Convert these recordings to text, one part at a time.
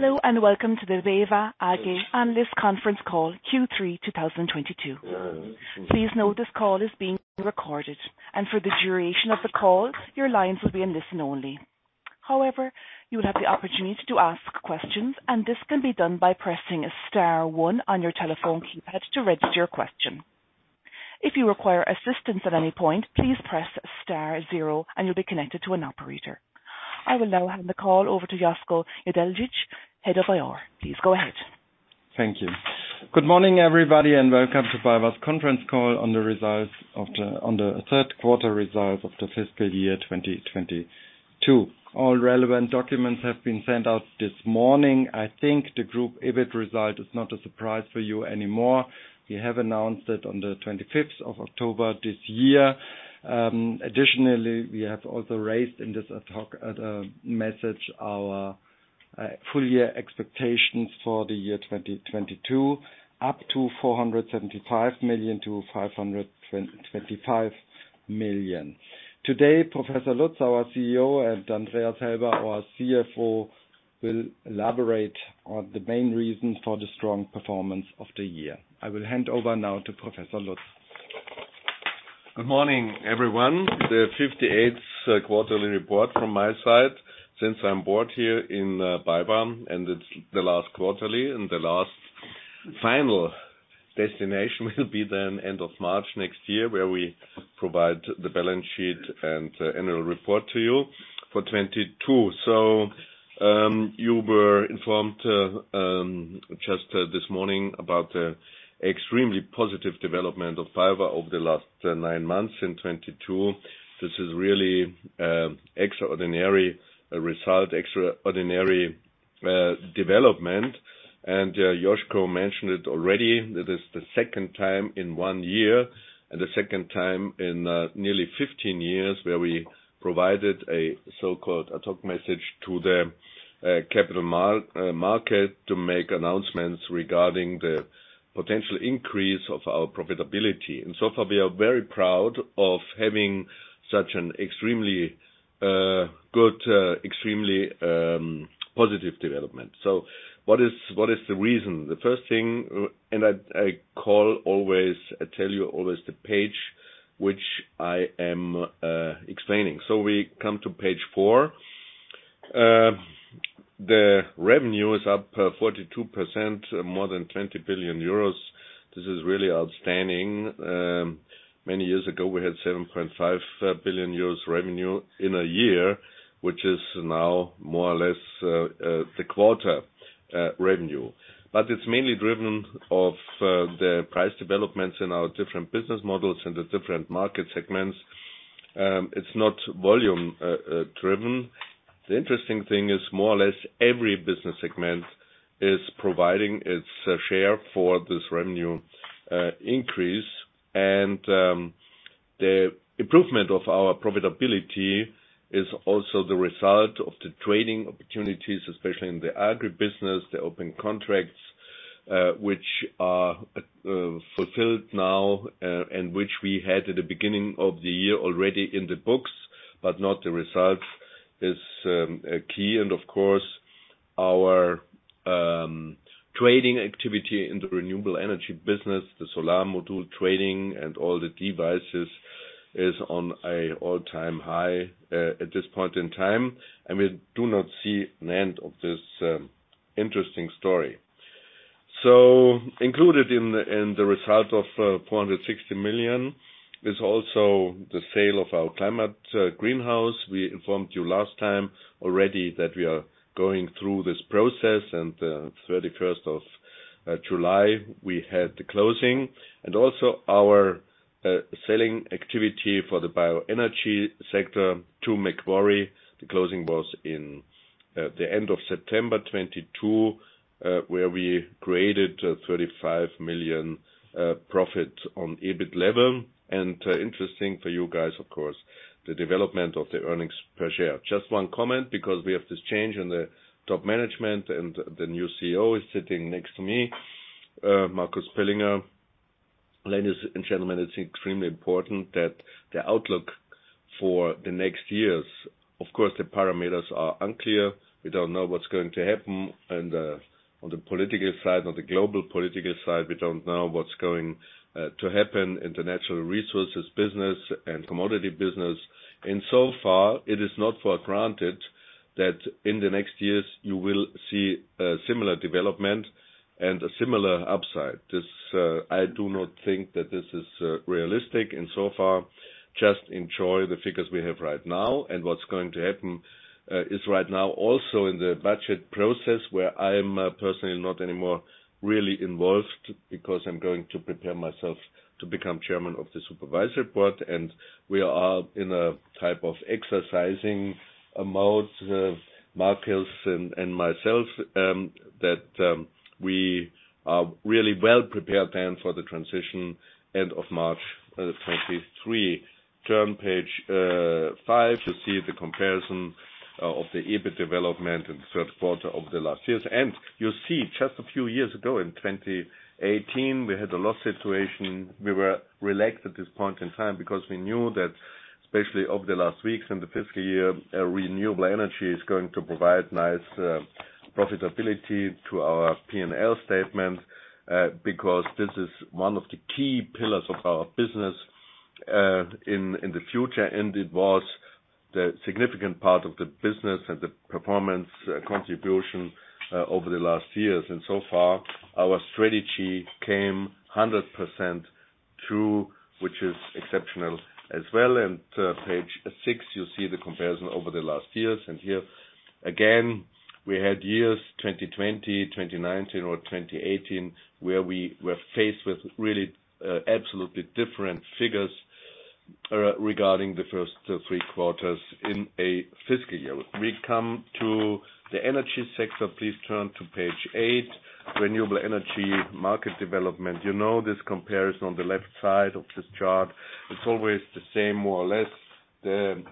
Hello, and welcome to the BayWa AG Analyst's Conference Call Q3 2022. Please note this call is being recorded, and for the duration of the call, your lines will be in listen only. However, you will have the opportunity to ask questions, and this can be done by pressing star one on your telephone keypad to register your question. If you require assistance at any point, please press star zero and you'll be connected to an operator. I will now hand the call over to Josko Radeljic, Head of IR. Please go ahead. Thank you. Good morning, everybody, and welcome to BayWa's conference call on the third quarter results of the fiscal year 2022. All relevant documents have been sent out this morning. I think the group EBIT result is not a surprise for you anymore. We have announced it on the 25th of October this year. Additionally, we have also raised in this ad hoc message our full year expectations for the year 2022, up to 475 million-525 million. Today, Professor Lutz, our CEO, and Andreas Helber, our CFO, will elaborate on the main reasons for the strong performance of the year. I will hand over now to Professor Lutz. Good morning, everyone. The 58th quarterly report from my side since I'm on the board here at BayWa, and it's the last quarterly, and the last final presentation will be the end of March next year, where we provide the balance sheet and annual report to you for 2022. You were informed just this morning about the extremely positive development of BayWa over the last nine months in 2022. This is really extraordinary result, extraordinary development. Josko mentioned it already. This is the second time in one year and the second time in nearly 15 years where we provided a so-called ad hoc message to the capital market to make announcements regarding the potential increase of our profitability. So far, we are very proud of having such an extremely good extremely positive development. What is the reason? The first thing, and I tell you always the page which I am explaining. We come to page four. The revenue is up 42%, more than 20 billion euros. This is really outstanding. Many years ago, we had 7.5 billion euros revenue in a year, which is now more or less the quarter revenue. It's mainly driven by the price developments in our different business models and the different market segments. It's not volume driven. The interesting thing is more or less every business segment is providing its share for this revenue increase. The improvement of our profitability is also the result of the trading opportunities, especially in the Agribusiness, the open contracts, which are fulfilled now, and which we had at the beginning of the year already in the books, but not the results is key. Of course, our trading activity in the Renewable Energy Business, the solar module trading and all the devices is on an all-time high at this point in time. We do not see an end of this interesting story. Included in the result of 460 million is also the sale of our climate greenhouse. We informed you last time already that we are going through this process and, July 31, we had the closing. Also our selling activity for the bioenergy sector to Macquarie. The closing was in the end of September 2022, where we created 35 million profit on EBIT level. Interesting for you guys, of course, the development of the earnings per share. Just one comment because we have this change in the top management and the new CEO is sitting next to me, Marcus Pöllinger. Ladies and gentlemen, it's extremely important that the outlook for the next years, of course, the parameters are unclear. We don't know what's going to happen on the political side, on the global political side. We don't know what's going to happen in the natural resources business and commodity business. So far, it is not for granted that in the next years you will see a similar development and a similar upside. I do not think that this is realistic. So far, just enjoy the figures we have right now. What's going to happen is right now also in the budget process where I'm personally not anymore really involved because I'm going to prepare myself to become chairman of the Supervisory Board. We are in a type of exercising mode, Marcus and myself, that we are really well prepared then for the transition end of March 2023. Turn page five to see the comparison of the EBIT development in the third quarter over the last years. You see just a few years ago in 2018, we had a loss situation. We were relaxed at this point in time because we knew that especially over the last weeks in the fiscal year, Renewable Energy is going to provide nice profitability to our P&L statement because this is one of the key pillars of our business in the future, and it was the significant part of the business and the performance contribution over the last years. So far, our strategy came 100% through, which is exceptional as well. Page six, you see the comparison over the last years. Here again, we had years 2020, 2019, or 2018, where we were faced with really absolutely different figures regarding the first three quarters in a fiscal year. We come to the energy sector. Please turn to page eight. Renewable Energy market development. You know this comparison on the left side of this chart, it's always the same, more or less. The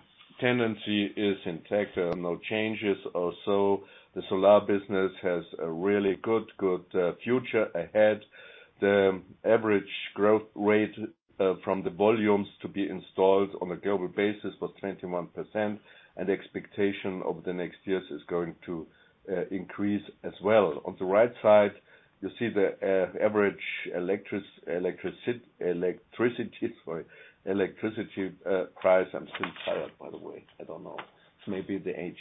tendency is intact. There are no changes or so. The solar business has a really good future ahead. The average growth rate from the volumes to be installed on a global basis was 21%, and the expectation over the next years is going to increase as well. On the right side, you see the average electricity price. I'm still tired, by the way. I don't know. It's maybe the age.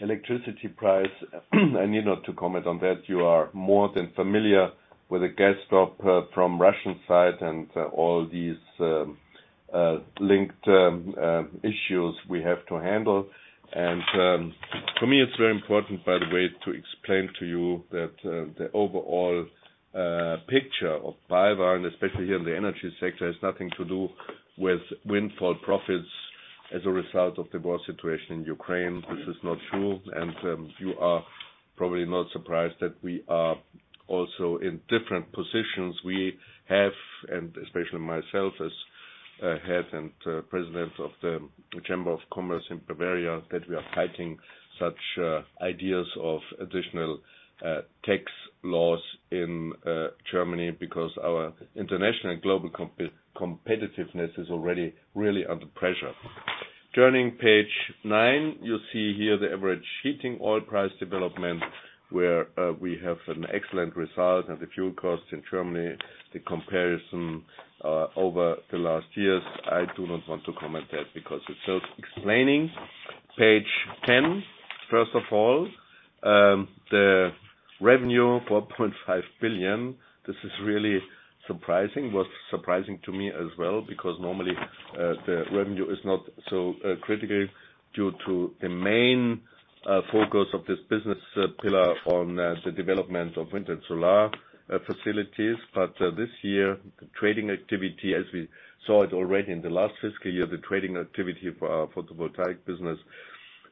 Electricity price, I need not to comment on that. You are more than familiar with the gas drop from Russian side and all these linked issues we have to handle. To me, it's very important, by the way, to explain to you that the overall picture of BayWa, and especially here in the energy sector, has nothing to do with windfall profits as a result of the war situation in Ukraine. This is not true. You are probably not surprised that we are also in different positions. We have, and especially myself as head and president of the Chamber of Commerce in Bavaria, that we are fighting such ideas of additional tax laws in Germany because our international and global competitiveness is already really under pressure. Turning page nine, you see here the average heating oil price development, where we have an excellent result and the fuel costs in Germany, the comparison over the last years. I do not want to comment that because it is self-explanatory. Page 10. First of all, the revenue, 4.5 billion. This is really surprising. Was surprising to me as well because normally, the revenue is not so critical due to the main focus of this business pillar on the development of wind and solar facilities. This year, the trading activity, as we saw it already in the last fiscal year, the trading activity for our photovoltaic business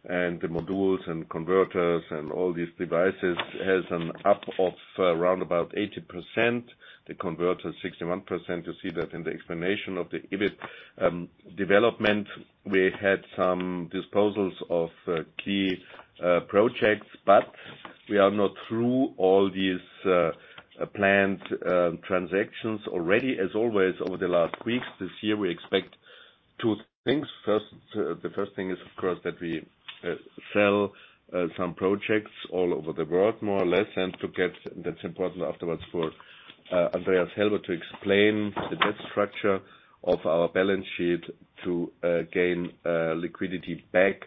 and the modules and converters and all these devices has an up of around about 80%. The converter 61%. You see that in the explanation of the EBIT development. We had some disposals of key projects, but we are not through all these planned transactions already. As always, over the last weeks, this year, we expect two things. First, the first thing is, of course, that we sell some projects all over the world, more or less. That's important afterwards for Andreas Helber to explain the debt structure of our balance sheet to gain liquidity back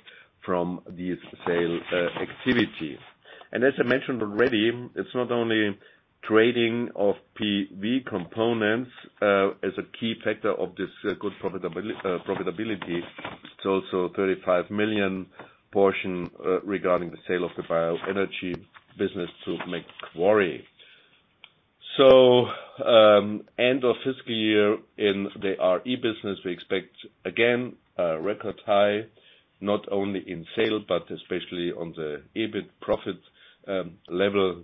from these sales activities. As I mentioned already, it's not only trading of PV components as a key factor of this good profitability. It's also 35 million portion regarding the sale of the bioenergy business to Macquarie. End of fiscal year in the RE Business, we expect, again, a record high, not only in sale, but especially on the EBIT profit level.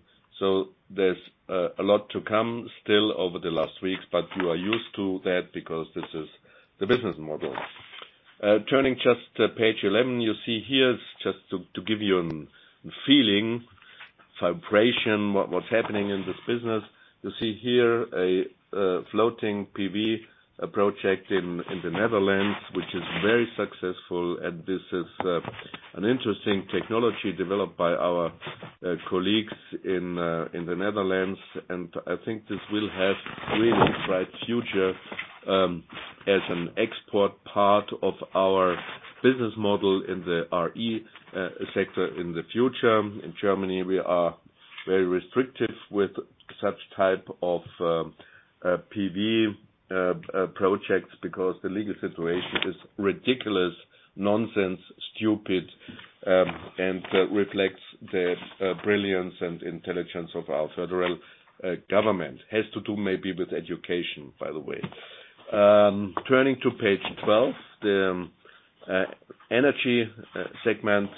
There's a lot to come still over the last weeks, but you are used to that because this is the business model. Turning just to page 11. You see here, just to give you a feeling, vibration, what's happening in this business. You see here a floating PV project in the Netherlands, which is very successful. This is an interesting technology developed by our colleagues in the Netherlands. I think this will have really a bright future as an export part of our business model in the RE sector in the future. In Germany, we are very restrictive with such type of PV projects because the legal situation is ridiculous, nonsense, stupid, and reflects the brilliance and intelligence of our federal government. Has to do maybe with education, by the way. Turning to page 12. The energy segment.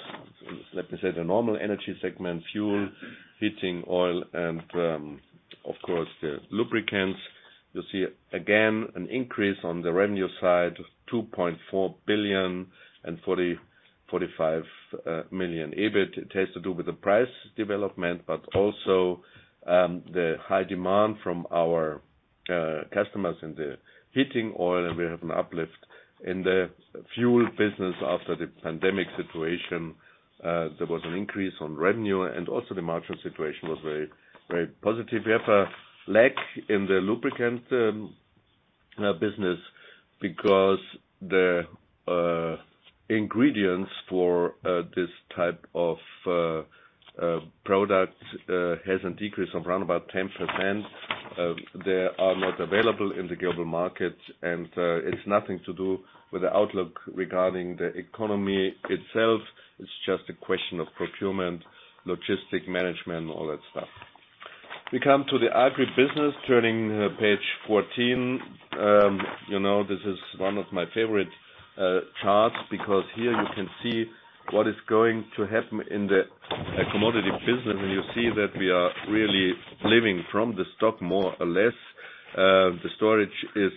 Let me say the normal energy segment, fuel, heating oil, and of course, the lubricants. You see again an increase on the revenue side, 2.4 billion and 45 million EBIT. It has to do with the price development, but also the high demand from our customers in the heating oil. We have an uplift in the fuel business after the pandemic situation. There was an increase on revenue and also the margin situation was very, very positive. We have a lag in the lubricant business because the ingredients for this type of product has a decrease of around about 10%. They are not available in the global market and it's nothing to do with the outlook regarding the economy itself. It's just a question of procurement, logistic management, all that stuff. We come to the Agribusiness, turning page 14. You know, this is one of my favorite charts because here you can see what is going to happen in the commodity business. You see that we are really living from the stock, more or less. The storage is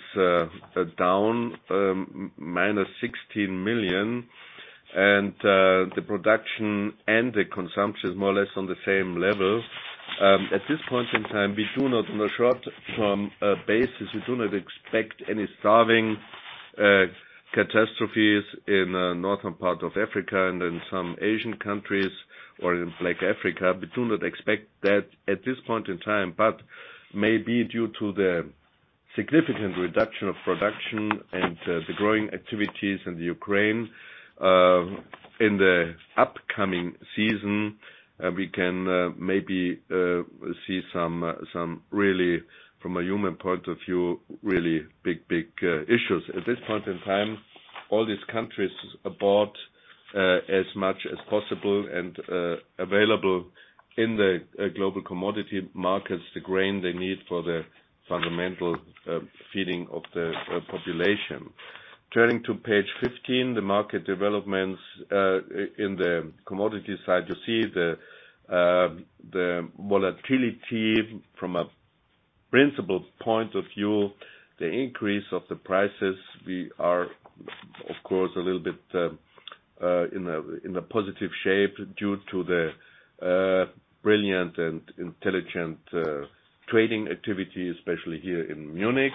down -16 million. The production and the consumption is more or less on the same level. At this point in time, we do not, on a short-term basis, we do not expect any starvation catastrophes in northern part of Africa and in some Asian countries or in Black Africa. We do not expect that at this point in time, but maybe due to the significant reduction of production and the growing activities in the Ukraine, in the upcoming season, we can maybe see some really, from a human point of view, really big issues. At this point in time, all these countries have bought as much as possible and available in the global commodity markets, the grain they need for the fundamental feeding of the population. Turning to page 15, the market developments in the commodity side, you see the volatility from a principal point of view, the increase of the prices. We are, of course, a little bit in a positive shape due to the brilliant and intelligent trading activity, especially here in Munich,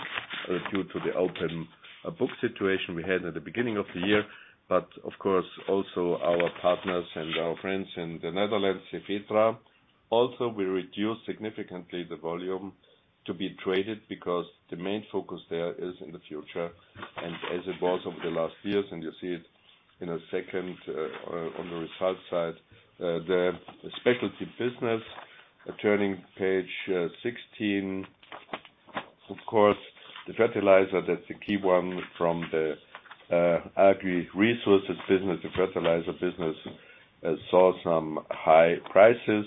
due to the open book situation we had at the beginning of the year. Of course, also our partners and our friends in the Netherlands, Cefetra. Also, we reduced significantly the volume to be traded because the main focus there is in the future and as it was over the last years, and you'll see it in a second, on the results side. The specialty business, turning page sixteen. Of course, the fertilizer, that's the key one from the agri resources business. The fertilizer business saw some high prices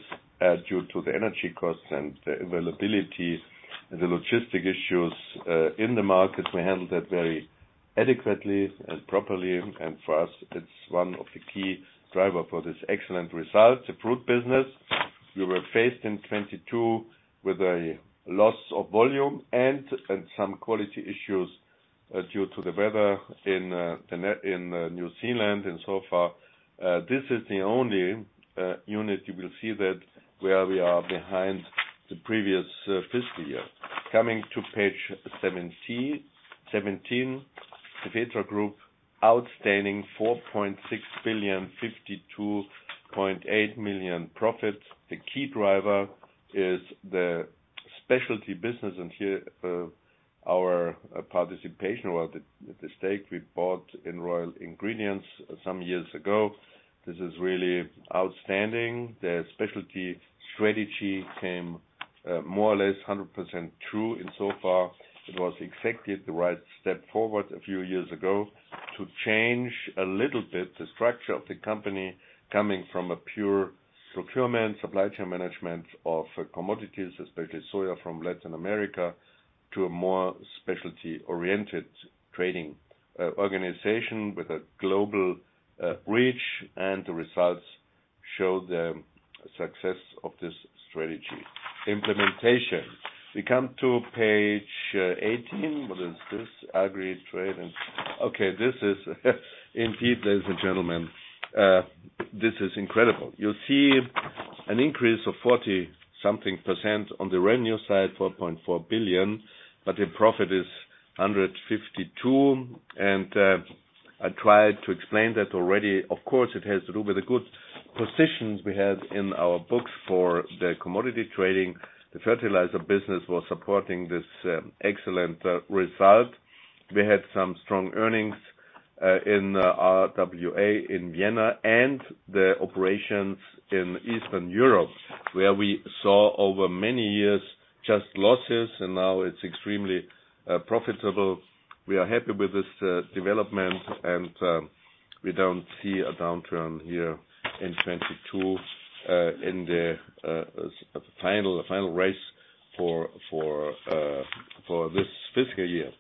due to the energy costs and the availability, the logistic issues in the market. We handled that very adequately and properly. For us, it's one of the key driver for this excellent result. The fruit business, we were faced in 2022 with a loss of volume and some quality issues due to the weather in New Zealand and so far this is the only unit you will see that where we are behind the previous fiscal year. Coming to page 17, Cefetra Group, outstanding 4.6 billion, 52.8 million profit. The key driver is the specialty business, and here our participation or the stake we bought in Royal Ingredients some years ago. This is really outstanding. Their specialty strategy came more or less 100% true. Insofar, it was exactly the right step forward a few years ago to change a little bit the structure of the company coming from a pure procurement, supply chain management of commodities, especially soy from Latin America, to a more specialty-oriented trading organization with a global reach. The results show the success of this strategy. Implementation. We come to page 18. What is this? Okay, this is indeed, ladies and gentlemen, this is incredible. You see an increase of 40-something% on the revenue side, 4.4 billion, but the profit is 152 million. I tried to explain that already. Of course, it has to do with the good positions we have in our books for the commodity trading. The fertilizer business was supporting this excellent result. We had some strong earnings in our RWA in Vienna and the operations in Eastern Europe, where we saw over many years just losses, and now it's extremely profitable. We are happy with this development, and we don't see a downturn here in 2022 in the final quarter for this fiscal year.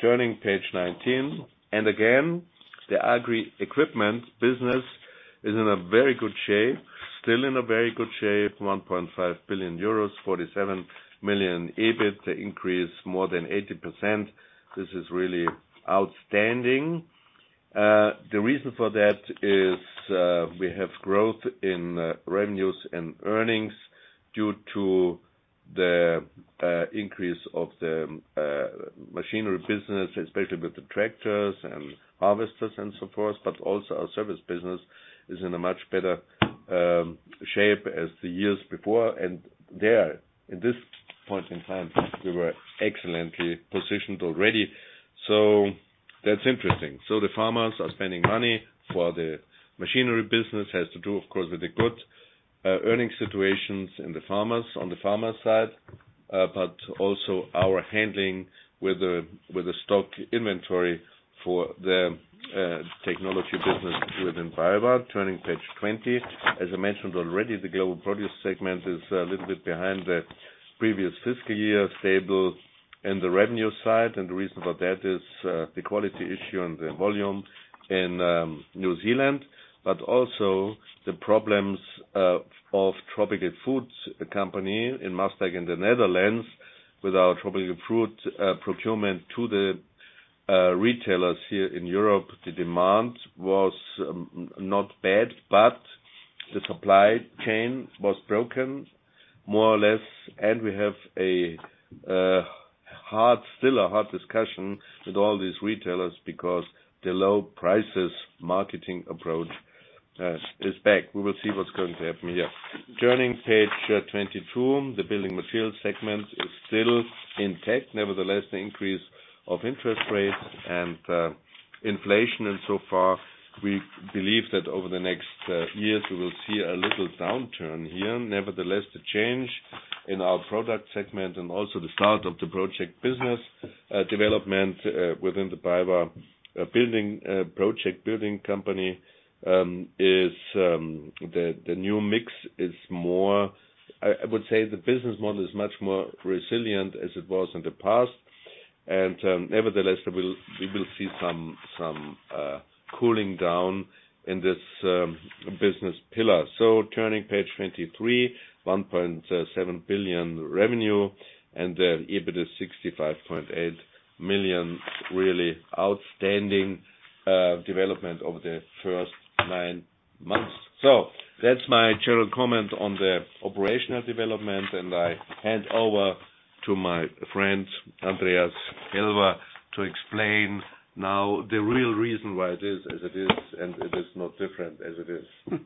Turning page 19, the Agri Equipment Business is in a very good shape. Still in a very good shape, 1.5 billion euros, 47 million EBIT, the increase more than 80%. This is really outstanding. The reason for that is, we have growth in revenues and earnings due to the increase of the machinery business, especially with the tractors and harvesters and so forth. Also our service business is in a much better shape as the years before. There, at this point in time, we were excellently positioned already. That's interesting. The farmers are spending money for the machinery business. Has to do, of course, with the good earning situations in the farmers, on the farmer side, but also our handling with the stock inventory for the technology business within BayWa. Turning page 20. As I mentioned already, the global produce segment is a little bit behind the previous fiscal year, stable in the revenue side. The reason for that is the quality issue and the volume in New Zealand, but also the problems of Tropical Fruit Company in Maasdijk in the Netherlands with our tropical fruit procurement to the retailers here in Europe. The demand was not bad, but the supply chain was broken, more or less. We have a hard discussion with all these retailers because the low prices marketing approach is back. We will see what's going to happen here. Turning page 22. The Building Materials segment is still intact. Nevertheless, the increase of interest rates and inflation and so far, we believe that over the next years, we will see a little downturn here. Nevertheless, the change in our product segment and also the start of the project business development within the BayWa building project building company is the new mix is more. I would say the business model is much more resilient as it was in the past. Nevertheless, we will see some cooling down in this business pillar. Turning page 23, 1.7 billion revenue and the EBIT is 65.8 million. Really outstanding development over the first nine months. That's my general comment on the operational development, and I hand over to my friend, Andreas Helber, to explain now the real reason why it is as it is and it is not different as it is.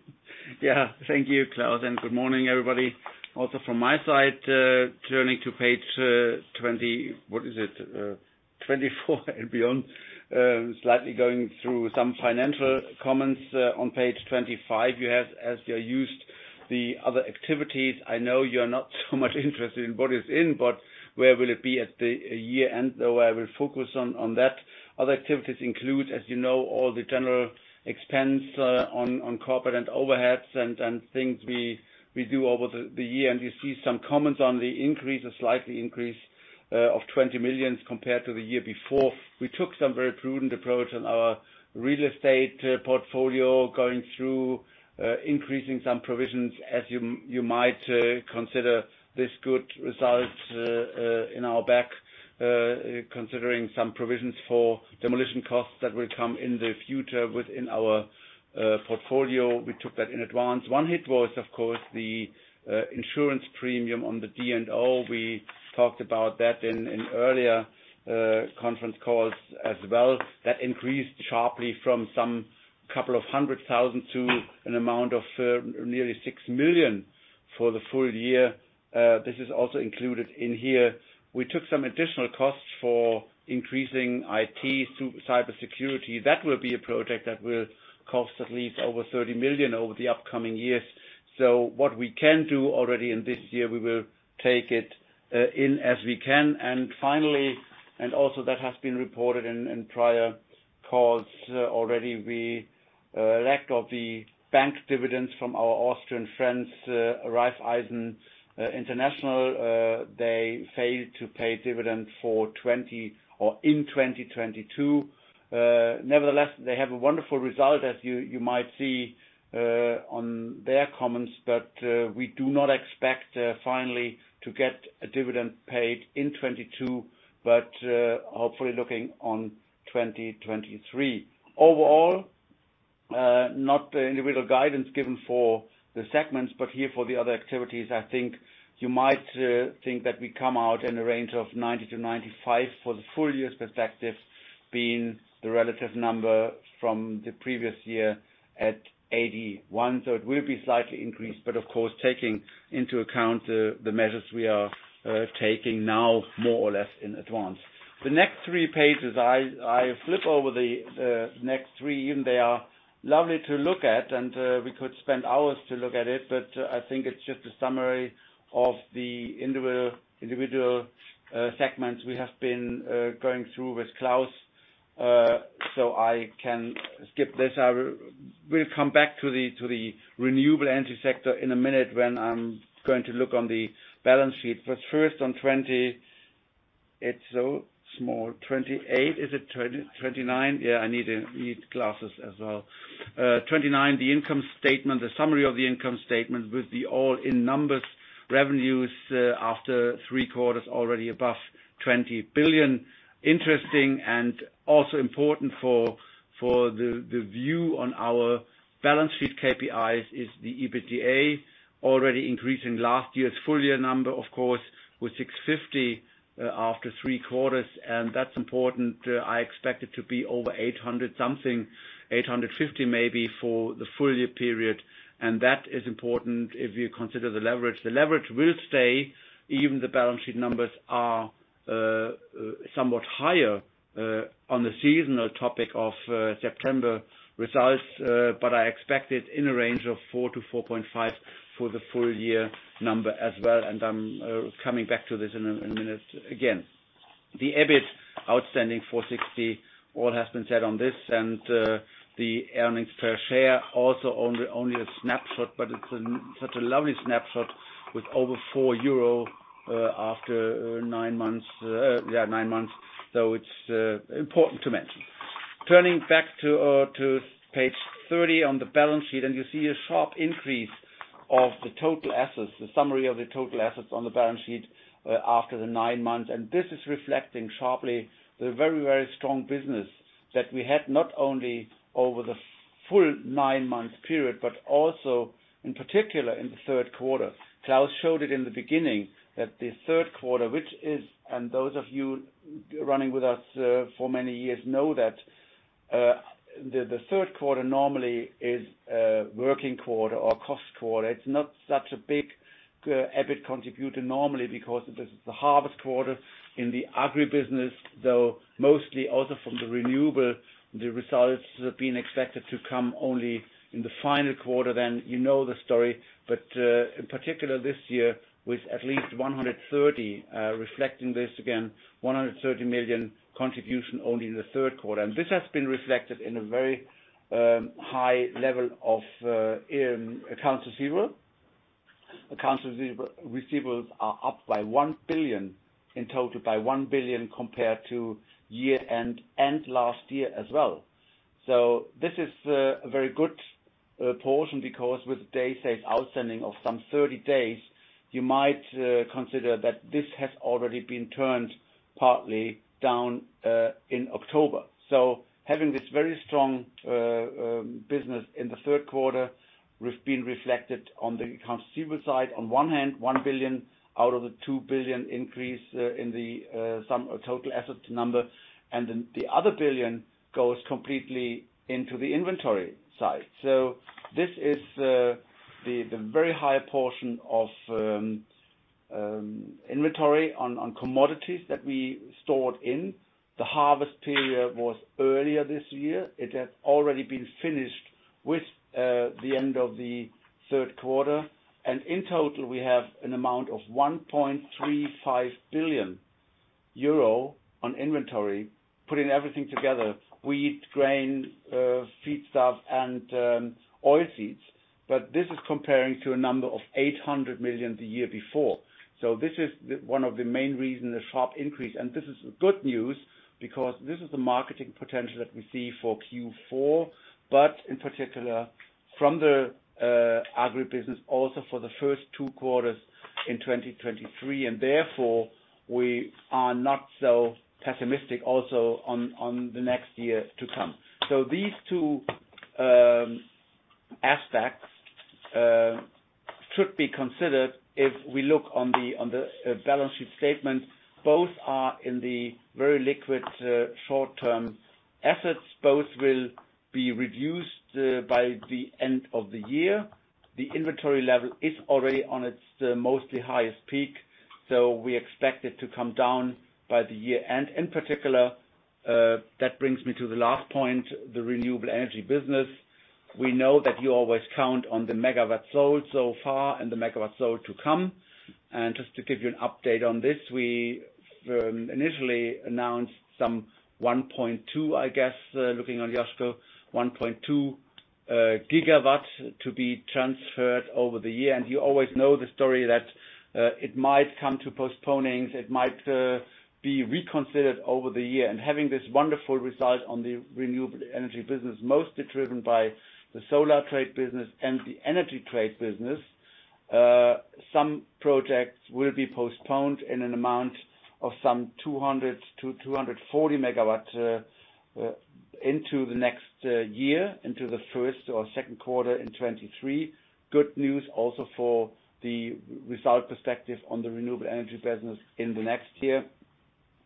Yeah. Thank you, Klaus, and good morning, everybody. Also from my side, turning to page 24 and beyond. Slightly going through some financial comments. On page 25, you have, as you are used, the other activities. I know you are not so much interested in what is in, but where will it be at the year-end? I will focus on that. Other activities include, as you know, all the general expense on corporate and overheads and things we do over the year. You see some comments on the increase, a slight increase of 20 million compared to the year before. We took some very prudent approach on our real estate portfolio, going through increasing some provisions as you might consider this good result in our books. Considering some provisions for demolition costs that will come in the future within our portfolio. We took that in advance. One hit was, of course, the insurance premium on the D&O. We talked about that in earlier conference calls as well. That increased sharply from a couple of 100,000 to an amount of nearly 6 million for the full year. This is also included in here. We took some additional costs for increasing IT through cybersecurity. That will be a project that will cost at least over 30 million over the upcoming years. What we can do already in this year, we will take it in as we can. Finally, also that has been reported in prior calls already. We lack the bank dividends from our Austrian friends, Raiffeisen Bank International. They failed to pay dividends for 2020 or in 2022. Nevertheless, they have a wonderful result as you might see on their comments. We do not expect finally to get a dividend paid in 2022, but hopefully looking on 2023. Overall, not individual guidance given for the segments, but here for the other activities, I think you might think that we come out in a range of 90-95 for the full year perspective, being the relative number from the previous year at 81. It will be slightly increased, but of course, taking into account the measures we are taking now more or less in advance. The next three pages, I flip over the next three. Even they are lovely to look at, and we could spend hours to look at it, but I think it's just a summary of the individual segments we have been going through with Klaus. I can skip this. I will come back to the Renewable Energy sector in a minute when I'm going to look on the balance sheet. First, on 20. It's so small. 28, is it 29? Yeah, I need glasses as well. 29, the income statement, the summary of the income statement with the all-in numbers, revenues after three quarters already above 20 billion. Interesting and also important for the view on our balance sheet KPIs is the EBITDA already increasing last year's full year number, of course, with 650 million after three quarters, and that's important. I expect it to be over 800-something, 850 million maybe for the full year period. That is important if you consider the leverage. The leverage will stay even though the balance sheet numbers are somewhat higher on the seasonal topic of September results, but I expect it in a range of 4-4.5 for the full year number as well. I'm coming back to this in a minute again. The EBIT outstanding 460 million. All has been said on this. The earnings per share also only a snapshot, but it's such a lovely snapshot with over 4 euro after nine months. It's important to mention. Turning back to page 30 on the balance sheet, you see a sharp increase of the total assets, the summary of the total assets on the balance sheet, after the nine months. This is reflecting sharply the very, very strong business that we had not only over the full nine-month period, but also in particular in the third quarter. Klaus showed it in the beginning that the third quarter, which is, and those of you running with us for many years know that, the third quarter normally is a working quarter or cost quarter. It's not such a big EBIT contributor normally because it is the harvest quarter in the Agribusiness, though mostly also from the renewable, the results have been expected to come only in the final quarter then. You know the story. In particular this year, with at least 130 million contribution only in the third quarter. This has been reflected in a very high level of accounts receivable. Accounts receivables are up by 1 billion, in total by 1 billion compared to year-end and last year as well. This is a very good portion because with the day sales outstanding of some 30 days, you might consider that this has already been turned partly down in October. Having this very strong business in the third quarter has been reflected on the accounts receivable side. On one hand, 1 billion out of the 2 billion increase in the sum total assets number, and then the other billion goes completely into the inventory side. This is the very high portion of inventory on commodities that we stored in. The harvest period was earlier this year. It has already been finished with the end of the third quarter. In total, we have an amount of 1.35 billion euro on inventory, putting everything together, wheat, grain, feedstock, and oil seeds. This is comparing to a number of 800 million the year before. This is one of the main reason the sharp increase. This is good news because this is the marketing potential that we see for Q4, but in particular from the Agribusiness also for the first two quarters in 2023. We are not so pessimistic also on the next year to come. These two aspects should be considered if we look on the balance sheet statement. Both are in the very liquid short-term assets. Both will be reduced by the end of the year. The inventory level is already on its mostly highest peak, so we expect it to come down by the year-end. In particular, that brings me to the last point, the Renewable Energy Business. We know that you always count on the megawatt sold so far and the megawatt sold to come. Just to give you an update on this, we initially announced some 1.2 GW, I guess, looking on Josko, 1.2 GW to be transferred over the year. You always know the story that it might come to postponements, it might be reconsidered over the year. Having this wonderful result on the Renewable Energy Business, mostly driven by the solar trade business and the energy trade business, some projects will be postponed in an amount of some 200 MW-240 MW into the next year, into the first or second quarter in 2023. Good news also for the result perspective on the Renewable Energy Business in the next year.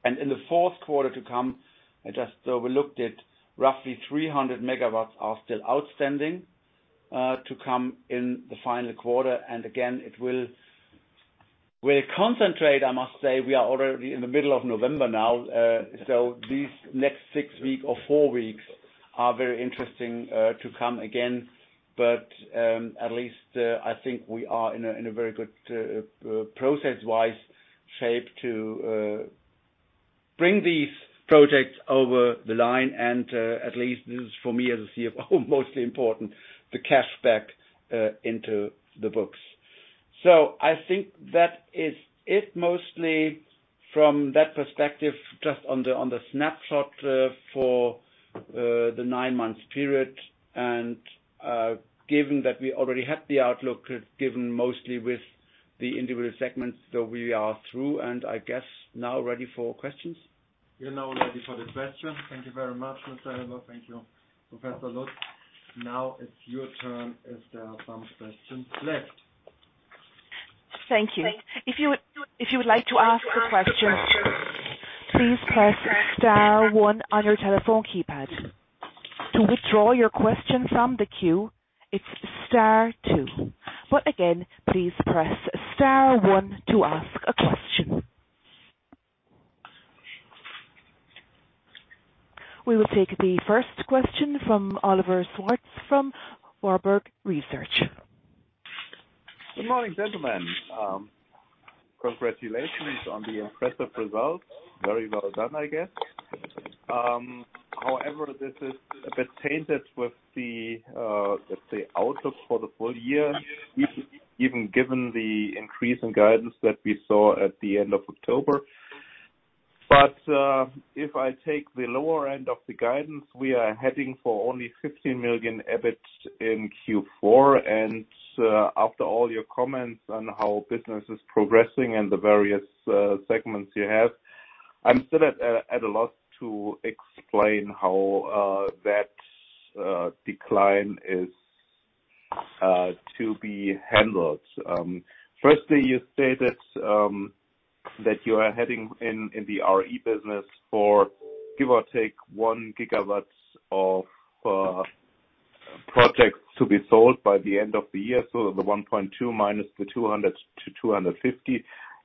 In the fourth quarter to come, I just overlooked it, roughly 300 MW are still outstanding to come in the final quarter. Again, it will concentrate, I must say, we are already in the middle of November now, so these next six weeks or four weeks are very interesting to come again. At least, I think we are in a very good process-wise shape to bring these projects over the line and, at least this is for me as a CFO, mostly important, the cash back into the books. I think that is it mostly from that perspective, just on the snapshot for the nine months period. Given that we already had the outlook given mostly with the individual segments. We are through, and I guess now ready for questions. We are now ready for the questions. Thank you very much, Mr. Helber. Thank you, Professor Lutz. Now it's your turn if there are some questions left. Thank you. If you would like to ask a question, please press star one on your telephone keypad. To withdraw your question from the queue, it's star two. Again, please press star one to ask a question. We will take the first question from Oliver Schwarz from Warburg Research. Good morning, gentlemen. Congratulations on the impressive results. Very well done, I guess. However, this is a bit tainted with the, let's say, outlook for the full year, even given the increase in guidance that we saw at the end of October. If I take the lower end of the guidance, we are heading for only 15 million EBIT in Q4. After all your comments on how business is progressing in the various segments you have, I'm still at a loss to explain how that decline is to be handled. Firstly, you stated that you are heading in the RE Business for give or take 1 GW of projects to be sold by the end of the year. So the 1.2 minus the 200 MW-250 MW.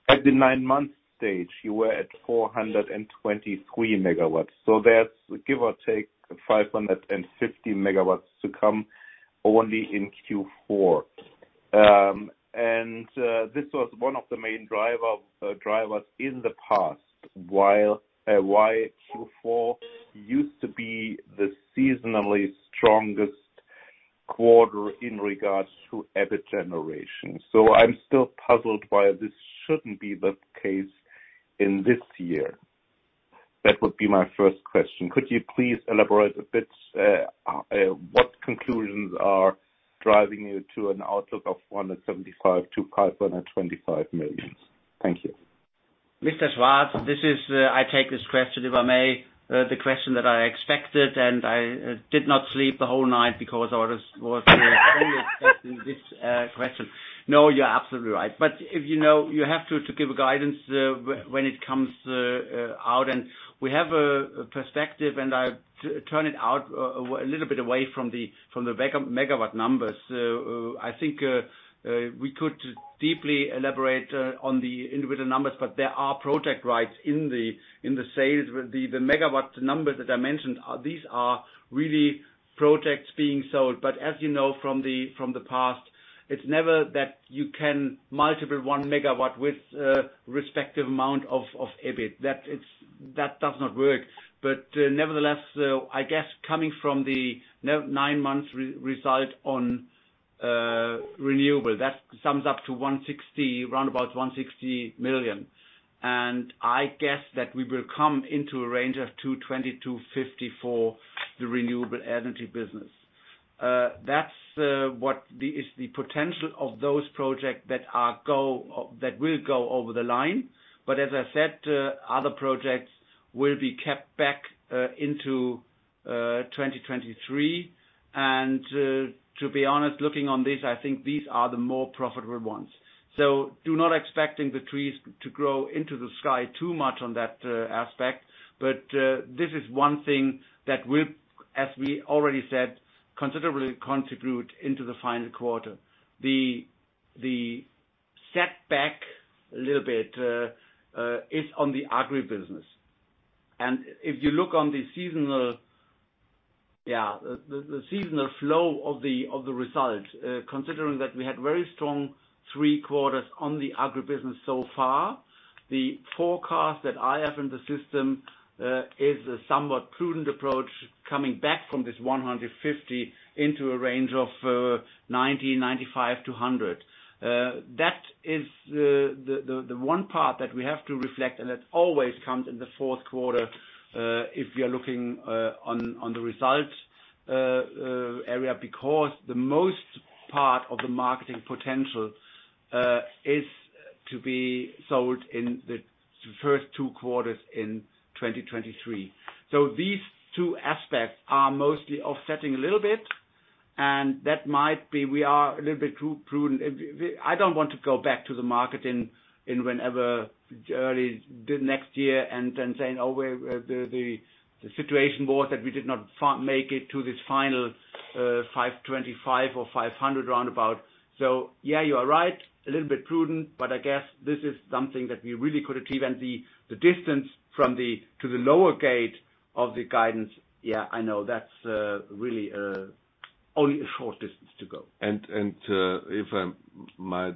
At the nine-month stage, you were at 423 MW, so that's give or take 550 MW to come only in Q4. This was one of the main drivers in the past, which is why Q4 used to be the seasonally strongest quarter in regards to EBIT generation. I'm still puzzled why this shouldn't be the case in this year. That would be my first question. Could you please elaborate a bit what conclusions are driving you to an outlook of 175 million-525 million? Thank you. Mr. Schwarz, this is I take this question, if I may, the question that I expected, and I did not sleep the whole night because I was expecting this question. No, you're absolutely right. If you know, you have to give a guidance when it comes out, and we have a perspective, and I tune it out a little bit away from the megawatt numbers. I think we could deeply elaborate on the individual numbers, but there are project rights in the sales. The megawatt numbers that I mentioned, these are really projects being sold. As you know from the past, it's never that you can multiply 1 MW with a respective amount of EBIT. That is, that does not work. Nevertheless, I guess coming from the nine months result on renewable, that sums up to 160 million, round about 160 million. I guess that we will come into a range of 220 million-250 million for the Renewable Energy Business. That's what is the potential of those projects that will go over the line. As I said, other projects will be kept back into 2023. To be honest, looking on this, I think these are the more profitable ones. Do not expect the trees to grow into the sky too much on that aspect. This is one thing that will, as we already said, considerably contribute to the final quarter. The setback a little bit is on the Agribusiness. If you look on the seasonal flow of the results, considering that we had very strong three quarters on the Agribusiness so far. The forecast that I have in the system is a somewhat prudent approach coming back from this 150 into a range of 90-95 to 100. That is the one part that we have to reflect, and it always comes in the fourth quarter if we are looking on the results area, because the most part of the marketing potential is to be sold in the first two quarters in 2023. These two aspects are mostly offsetting a little bit, and that might be we are a little bit too prudent. I don't want to go back to the market in whenever early next year and then saying, "Oh, the situation was that we did not make it to this final 525 million or 500 million round about." Yeah, you are right. A little bit prudent, but I guess this is something that we really could achieve. The distance from to the lower gate of the guidance. Yeah, I know, that's really only a short distance to go. If I might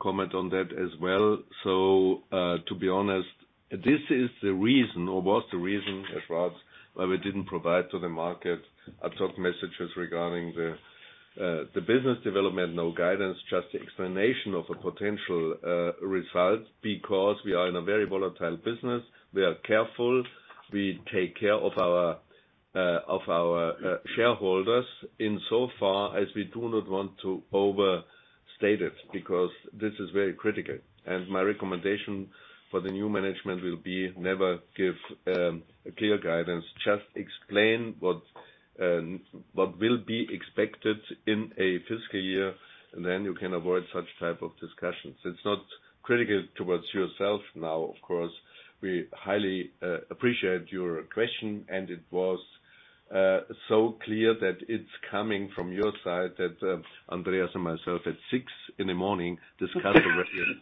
comment on that as well. To be honest, this is the reason or was the reason, as far as why we didn't provide to the market ad hoc messages regarding the business development. No guidance, just explanation of a potential result. Because we are in a very volatile business. We are careful. We take care of our shareholders insofar as we do not want to overstate it because this is very critical. My recommendation for the new management will be never give a clear guidance. Just explain what will be expected in a fiscal year and then you can avoid such type of discussions. It's not critical towards yourself now, of course. We highly appreciate your question, and it was so clear that it's coming from your side, that Andreas and myself at 6:00 in the morning discussed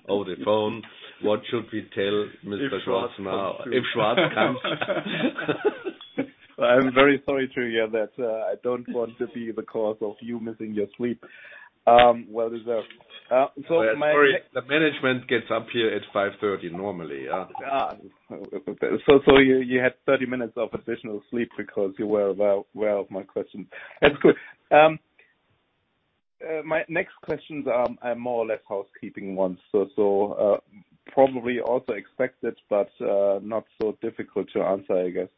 over the phone what should we tell Mr. Schwarz now if Schwarz comes. I'm very sorry to hear that. I don't want to be the cause of you missing your sleep. Well deserved. My- Sorry, the management gets up here at 5:30 A.M. normally. You had 30 minutes of additional sleep because you were aware of my question. That's good. My next questions are more or less housekeeping ones, probably also expected, but not so difficult to answer, I guess.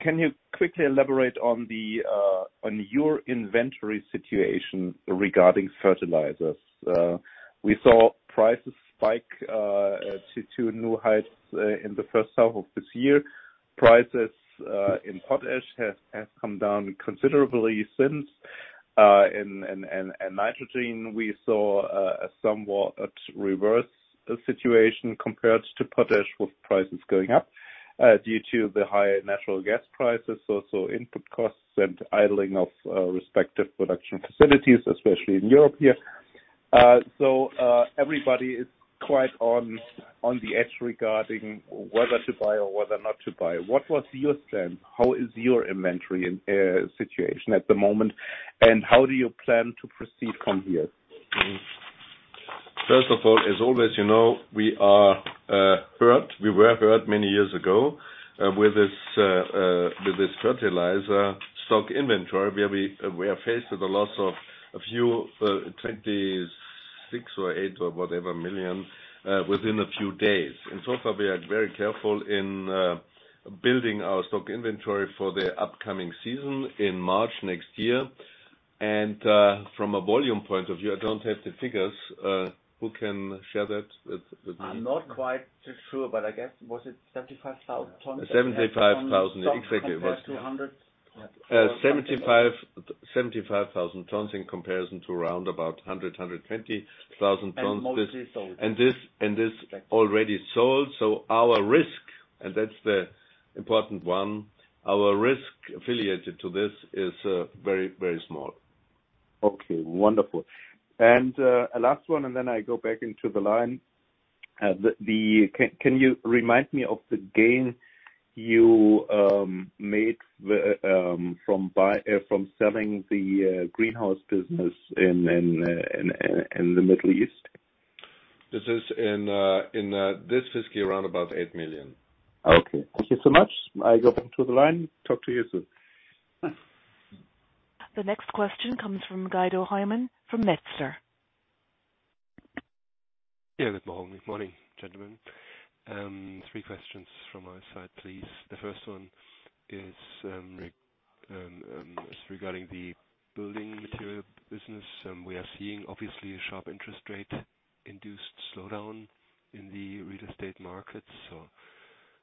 Can you quickly elaborate on your inventory situation regarding fertilizers? We saw prices spike to new heights in the first half of this year. Prices in potash has come down considerably since, and nitrogen we saw a somewhat reverse situation compared to potash, with prices going up due to the high natural gas prices. Also input costs and idling of respective production facilities, especially in Europe here. Everybody is quite on the edge regarding whether to buy or whether not to buy. What was your plan? How is your inventory situation at the moment, and how do you plan to proceed from here? First of all, as always, you know, we are hurt. We were hurt many years ago with this fertilizer stock inventory, where we are faced with a loss of a few 26 million or 8 million or whatever within a few days. So far, we are very careful in building our stock inventory for the upcoming season in March next year. From a volume point of view, I don't have the figures. Who can share that with me? I'm not quite so sure, but I guess. Was it 75,000 tons? 75,000. Exactly. Compared to 100,000. 75,000 tons in comparison to around about 100,000 to 120,000 tons. Mostly sold. This already sold. Our risk, and that's the important one, affiliated to this is very small. Okay, wonderful. Last one, and then I go back into the line. Can you remind me of the gain you made from selling the greenhouse business in the Middle East? This is in this fiscal year around about 8 million. Okay, thank you so much. I go back to the line. Talk to you soon. Bye. The next question comes from Guido Hoymann from Metzler. Yeah. Good morning. Good morning, gentlemen. Three questions from my side, please. The first one is regarding the Building Materials business. We are seeing obviously a sharp interest rate induced slowdown in the real estate markets, so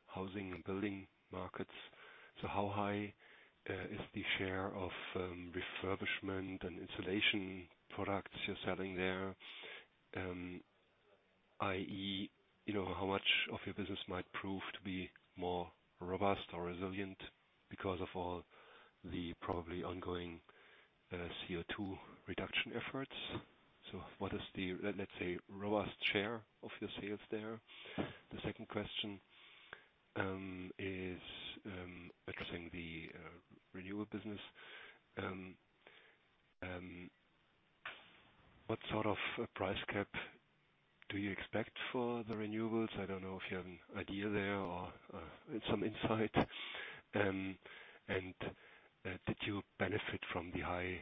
housing and building markets. How high is the share of refurbishment and insulation products you're selling there? i.e. you know, how much of your business might prove to be more robust or resilient because of all the probably ongoing CO2 reduction efforts. What is the, let's say, robust share of your sales there? The second question is addressing the Renewables Business. What sort of price cap do you expect for the Renewables? I don't know if you have an idea there or some insight. Did you benefit from the high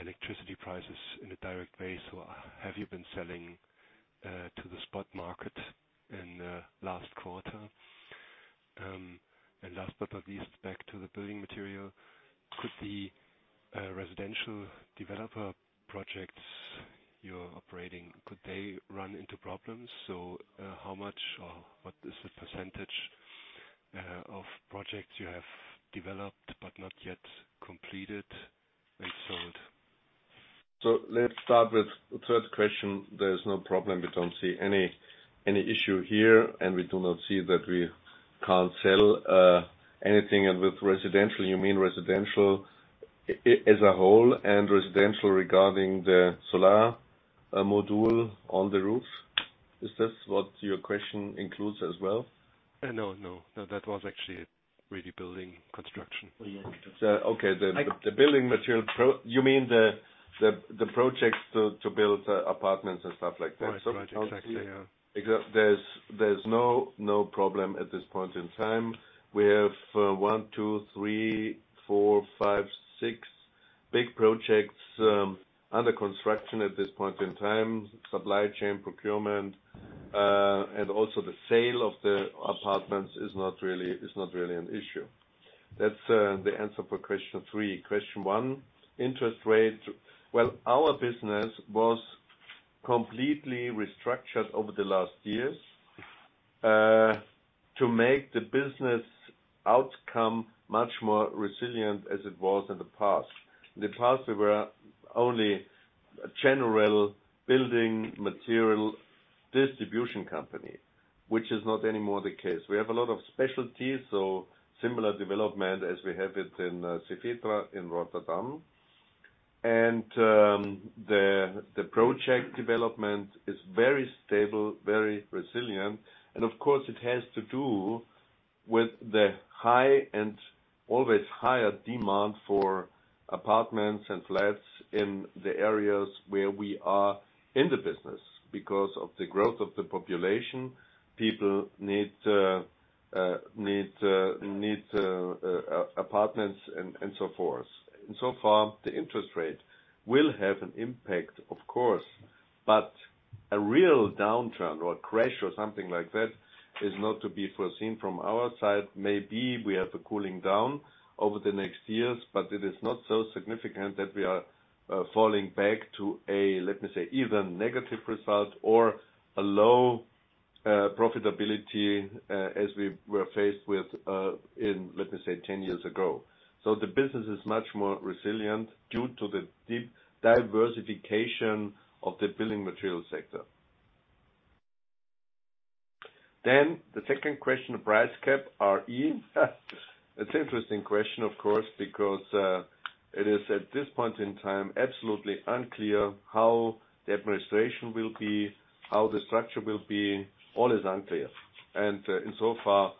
electricity prices in a direct way, so have you been selling to the spot market in last quarter? Last but not least, back to the building material. Could the residential developer projects you're operating run into problems? How much or what is the percentage of projects you have developed but not yet completed and sold? Let's start with the third question. There is no problem. We don't see any issue here, and we do not see that we can't sell anything. With residential, you mean residential as a whole and residential regarding the solar module on the roof? Is this what your question includes as well? No, that was actually really building construction. Okay. You mean the projects to build apartments and stuff like that? Right. Exactly, yeah. There's no problem at this point in time. We have 1, 2, 3, 4, 5, 6 big projects under construction at this point in time. Supply chain procurement and also the sale of the apartments is not really an issue. That's the answer for question three. Question one, interest rate. Well, our business was completely restructured over the last years to make the business outcome much more resilient as it was in the past. In the past, we were only a general building material distribution company, which is not anymore the case. We have a lot of specialties, so similar development as we have it in Cefetra in Rotterdam. The project development is very stable, very resilient. Of course, it has to do with the high and always higher demand for apartments and flats in the areas where we are in the business. Because of the growth of the population, people need apartments and so forth. So far, the interest rate will have an impact, of course. A real downturn or a crash or something like that is not to be foreseen from our side. Maybe we have a cooling down over the next years, but it is not so significant that we are falling back to a, let me say, even negative result or a low profitability, as we were faced with in, let me say, 10 years ago. The business is much more resilient due to the deep diversification of the building material sector. The second question, the price cap, RE. It's interesting question, of course, because it is at this point in time, absolutely unclear how the administration will be, how the structure will be. All is unclear. In so far,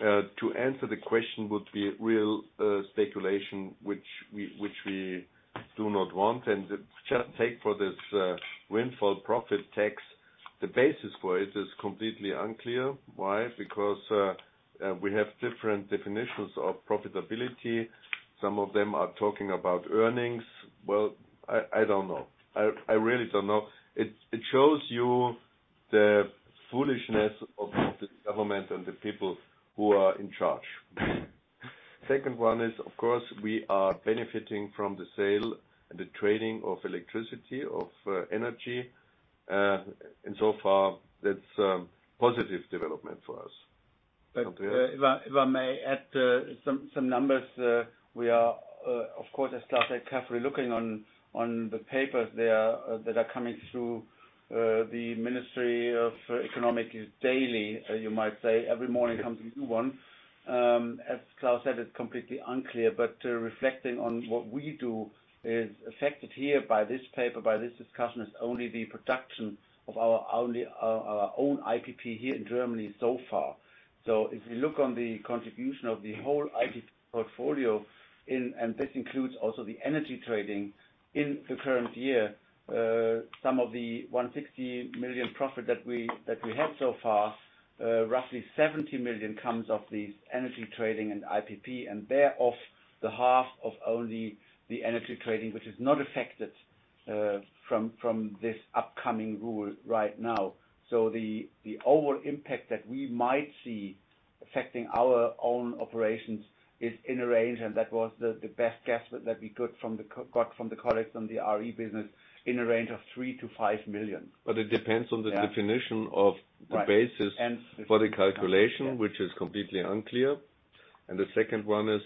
to answer the question would be real speculation, which we do not want. Just take for this, windfall profit tax. The basis for it is completely unclear. Why? Because we have different definitions of profitability. Some of them are talking about earnings. Well, I really don't know. I really don't know. It shows you the foolishness of the government and the people who are in charge. Second one is, of course, we are benefiting from the sale and the trading of electricity, of energy. So far, that's positive development for us. Okay. If I may add some numbers. We are of course, as Klaus said, carefully looking on the papers there that are coming through the Ministry of Economics daily, you might say. Every morning comes a new one. As Klaus said, it's completely unclear. Reflecting on what we do is affected here by this paper, by this discussion, is only the production of our own IPP here in Germany so far. If you look on the contribution of the whole IPP portfolio and this includes also the energy trading in the current year, some of the 160 million profit that we had so far, roughly 70 million comes off the energy trading and IPP. Thereof, the half of only the energy trading, which is not affected from this upcoming rule right now. The overall impact that we might see affecting our own operations is in a range, and that was the best guess that we got from the colleagues on the RE Business in a range of 3 million-5 million. It depends on the definition of the basis for the calculation, which is completely unclear. The second one is,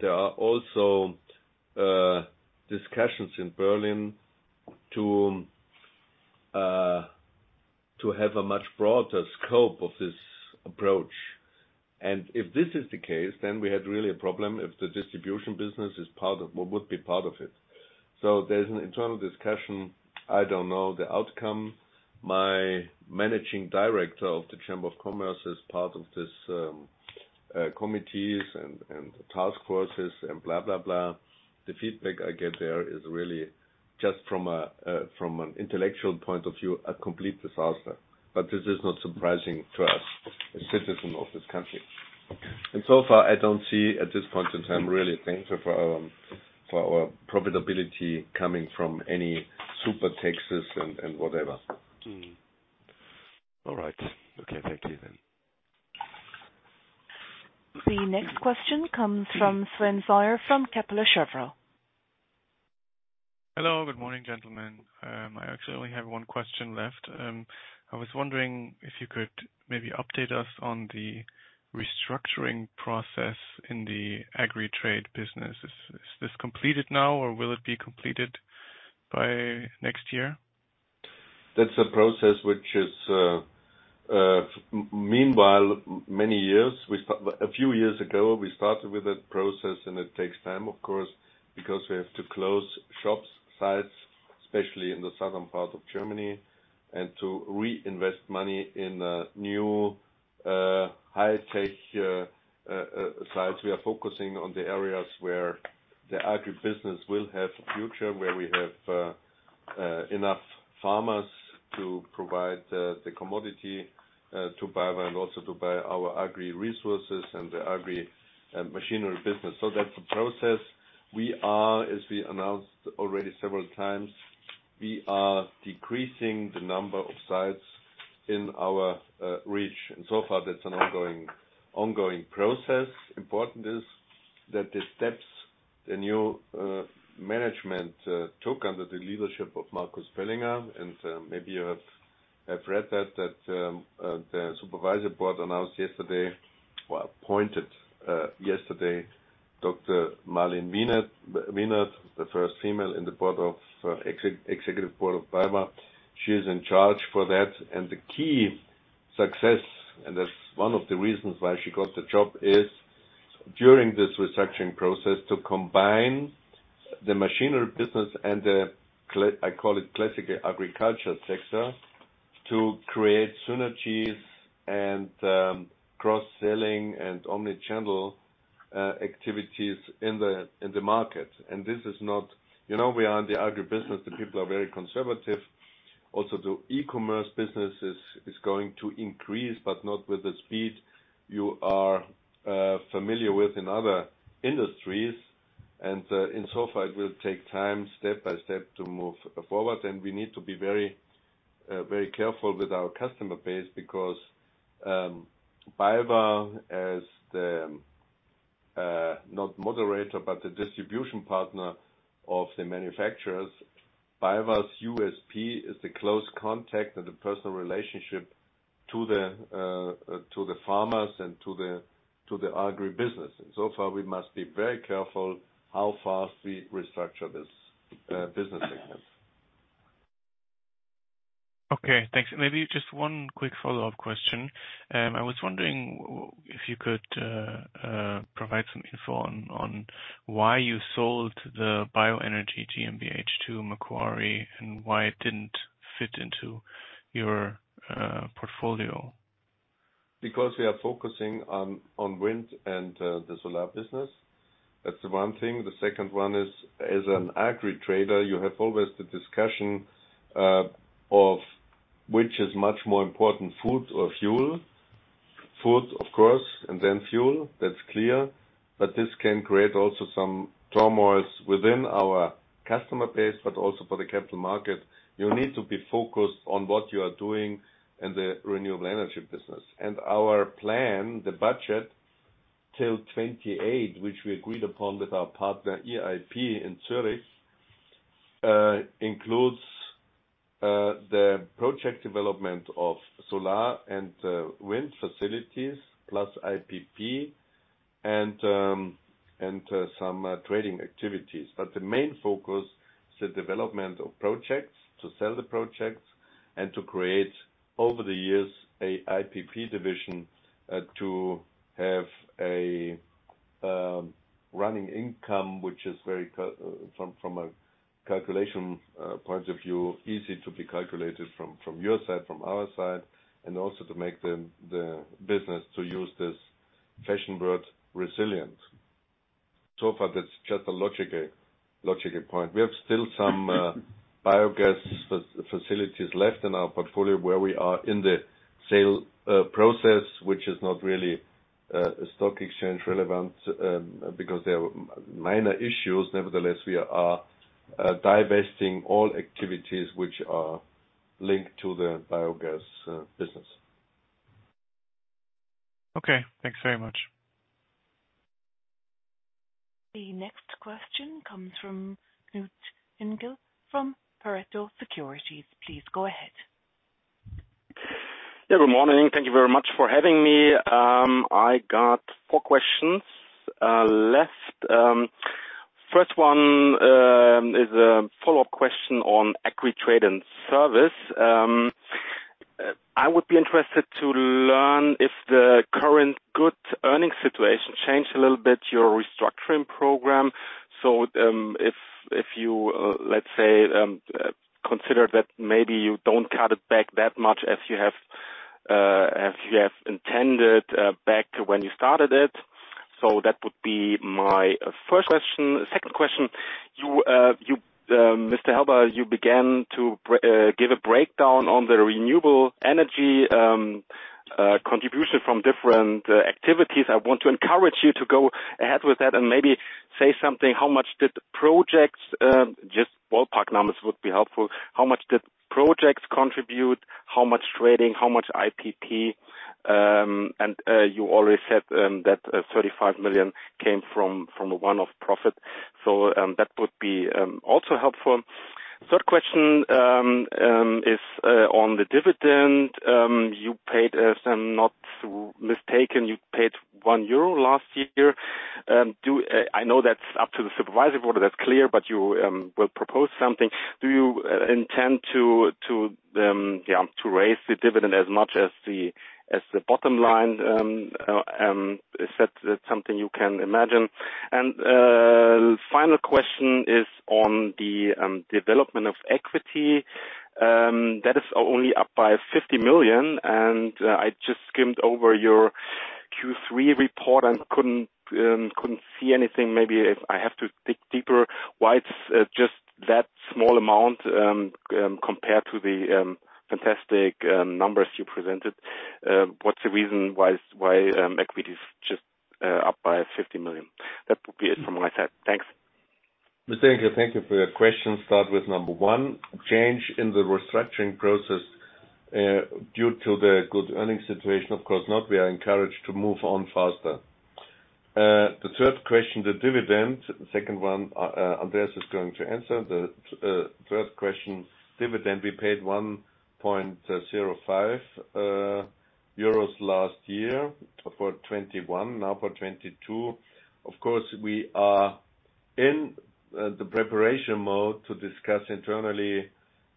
there are also discussions in Berlin to have a much broader scope of this approach. If this is the case, then we had really a problem if the distribution business would be part of it. There's an internal discussion. I don't know the outcome. My managing director of the Chamber of Commerce is part of this committees and task forces and blah, blah. The feedback I get there is really just from an intellectual point of view, a complete disaster. This is not surprising to us as citizen of this country. So far, I don't see at this point in time really a danger for our profitability coming from any super taxes and whatever. All right. Okay, thank you then. The next question comes from Sven Sauer from Kepler Cheuvreux. Hello, good morning, gentlemen. I actually only have one question left. I was wondering if you could maybe update us on the restructuring process in the Agri Trade Business. Is this completed now, or will it be completed by next year? That's a process which is meanwhile many years. A few years ago, we started with a process and it takes time, of course, because we have to close shops, sites, especially in the southern part of Germany, and to reinvest money in new high-tech sites. We are focusing on the areas where the Agribusiness will have a future, where we have enough farmers to provide the commodity to BayWa and also to buy our agri resources and the agri machinery business. So that's a process. We are, as we announced already several times, decreasing the number of sites in our reach. So far, that's an ongoing process. Important is that the steps the new management took under the leadership of Marcus Pöllinger, and maybe you have read that the Supervisory Board announced yesterday or appointed yesterday Dr. Marlen Wienert, the first female in the executive board of BayWa. She is in charge for that. The key success, and that's one of the reasons why she got the job, is during this restructuring process, to combine the machinery business and the classic agriculture sector, to create synergies and cross-selling and omni-channel activities in the market. This is not. You know, we are in the Agribusiness. The people are very conservative. Also, the e-commerce business is going to increase, but not with the speed you are familiar with in other industries. It will take time, step by step, to move forward. We need to be very careful with our customer base because BayWa as the, not moderator, but the distribution partner of the manufacturers, BayWa's USP is the close contact and the personal relationship to the farmers and to the Agribusiness. We must be very careful how fast we restructure this business segment. Okay, thanks. Maybe just one quick follow-up question. I was wondering if you could provide some info on why you sold the Bioenergy GmbH to Macquarie and why it didn't fit into your portfolio. Because we are focusing on wind and the solar business. That's the one thing. The second one is, as an agri trader, you have always the discussion of which is much more important, food or fuel. Food, of course, and then fuel. That's clear. But this can create also some turmoil within our customer base, but also for the capital market. You need to be focused on what you are doing in the Renewable Energy Business. Our plan, the budget till 2028, which we agreed upon with our partner, EIP in Zurich, includes the project development of solar and wind facilities plus IPP and some trading activities. The main focus is the development of projects, to sell the projects and to create over the years a IPP division, to have a running income, which is very, from a calculation point of view, easy to be calculated from your side, from our side, and also to make the business to use this fashion word, resilient. So far, that's just a logical point. We have still some biogas facilities left in our portfolio where we are in the sale process, which is not really a stock exchange relevant, because there are minor issues. Nevertheless, we are divesting all activities which are linked to the biogas business. Okay, thanks very much. The next question comes from Knut Hinkel from Pareto Securities. Please go ahead. Yeah, good morning. Thank you very much for having me. I got four questions left. First one is a follow-up question on Agri Trade and Service. I would be interested to learn if the current good earnings situation changed a little bit your restructuring program. If you, let's say, consider that maybe you don't cut it back that much as you have intended back to when you started it. That would be my first question. Second question, Mr. Helber, you began to give a breakdown on the Renewable Energy contribution from different activities. I want to encourage you to go ahead with that and maybe say something, how much did the projects just ballpark numbers would be helpful. How much did projects contribute? How much trading? How much IPP? You already said that 35 million came from a one-off profit. That would be also helpful. Third question is on the dividend. You paid, if I'm not mistaken, 1 euro last year. I know that's up to the Supervisory Board, that's clear, but you will propose something. Do you intend to yeah to raise the dividend as much as the bottom line? Is that something you can imagine? Final question is on the development of equity. That is only up by 50 million. I just skimmed over your Q3 report and couldn't see anything. Maybe if I have to dig deeper, why it's just that small amount, compared to the fantastic numbers you presented. What's the reason why equity is just up by 50 million? That would be it from my side. Thanks. Thank you. Thank you for your question. Start with number one. Change in the restructuring process, due to the good earnings situation, of course not. We are encouraged to move on faster. The third question, the dividend. The second one, Andreas is going to answer. The third question, dividend. We paid 1.05 euros last year for 2021. Now for 2022, of course, we are in the preparation mode to discuss internally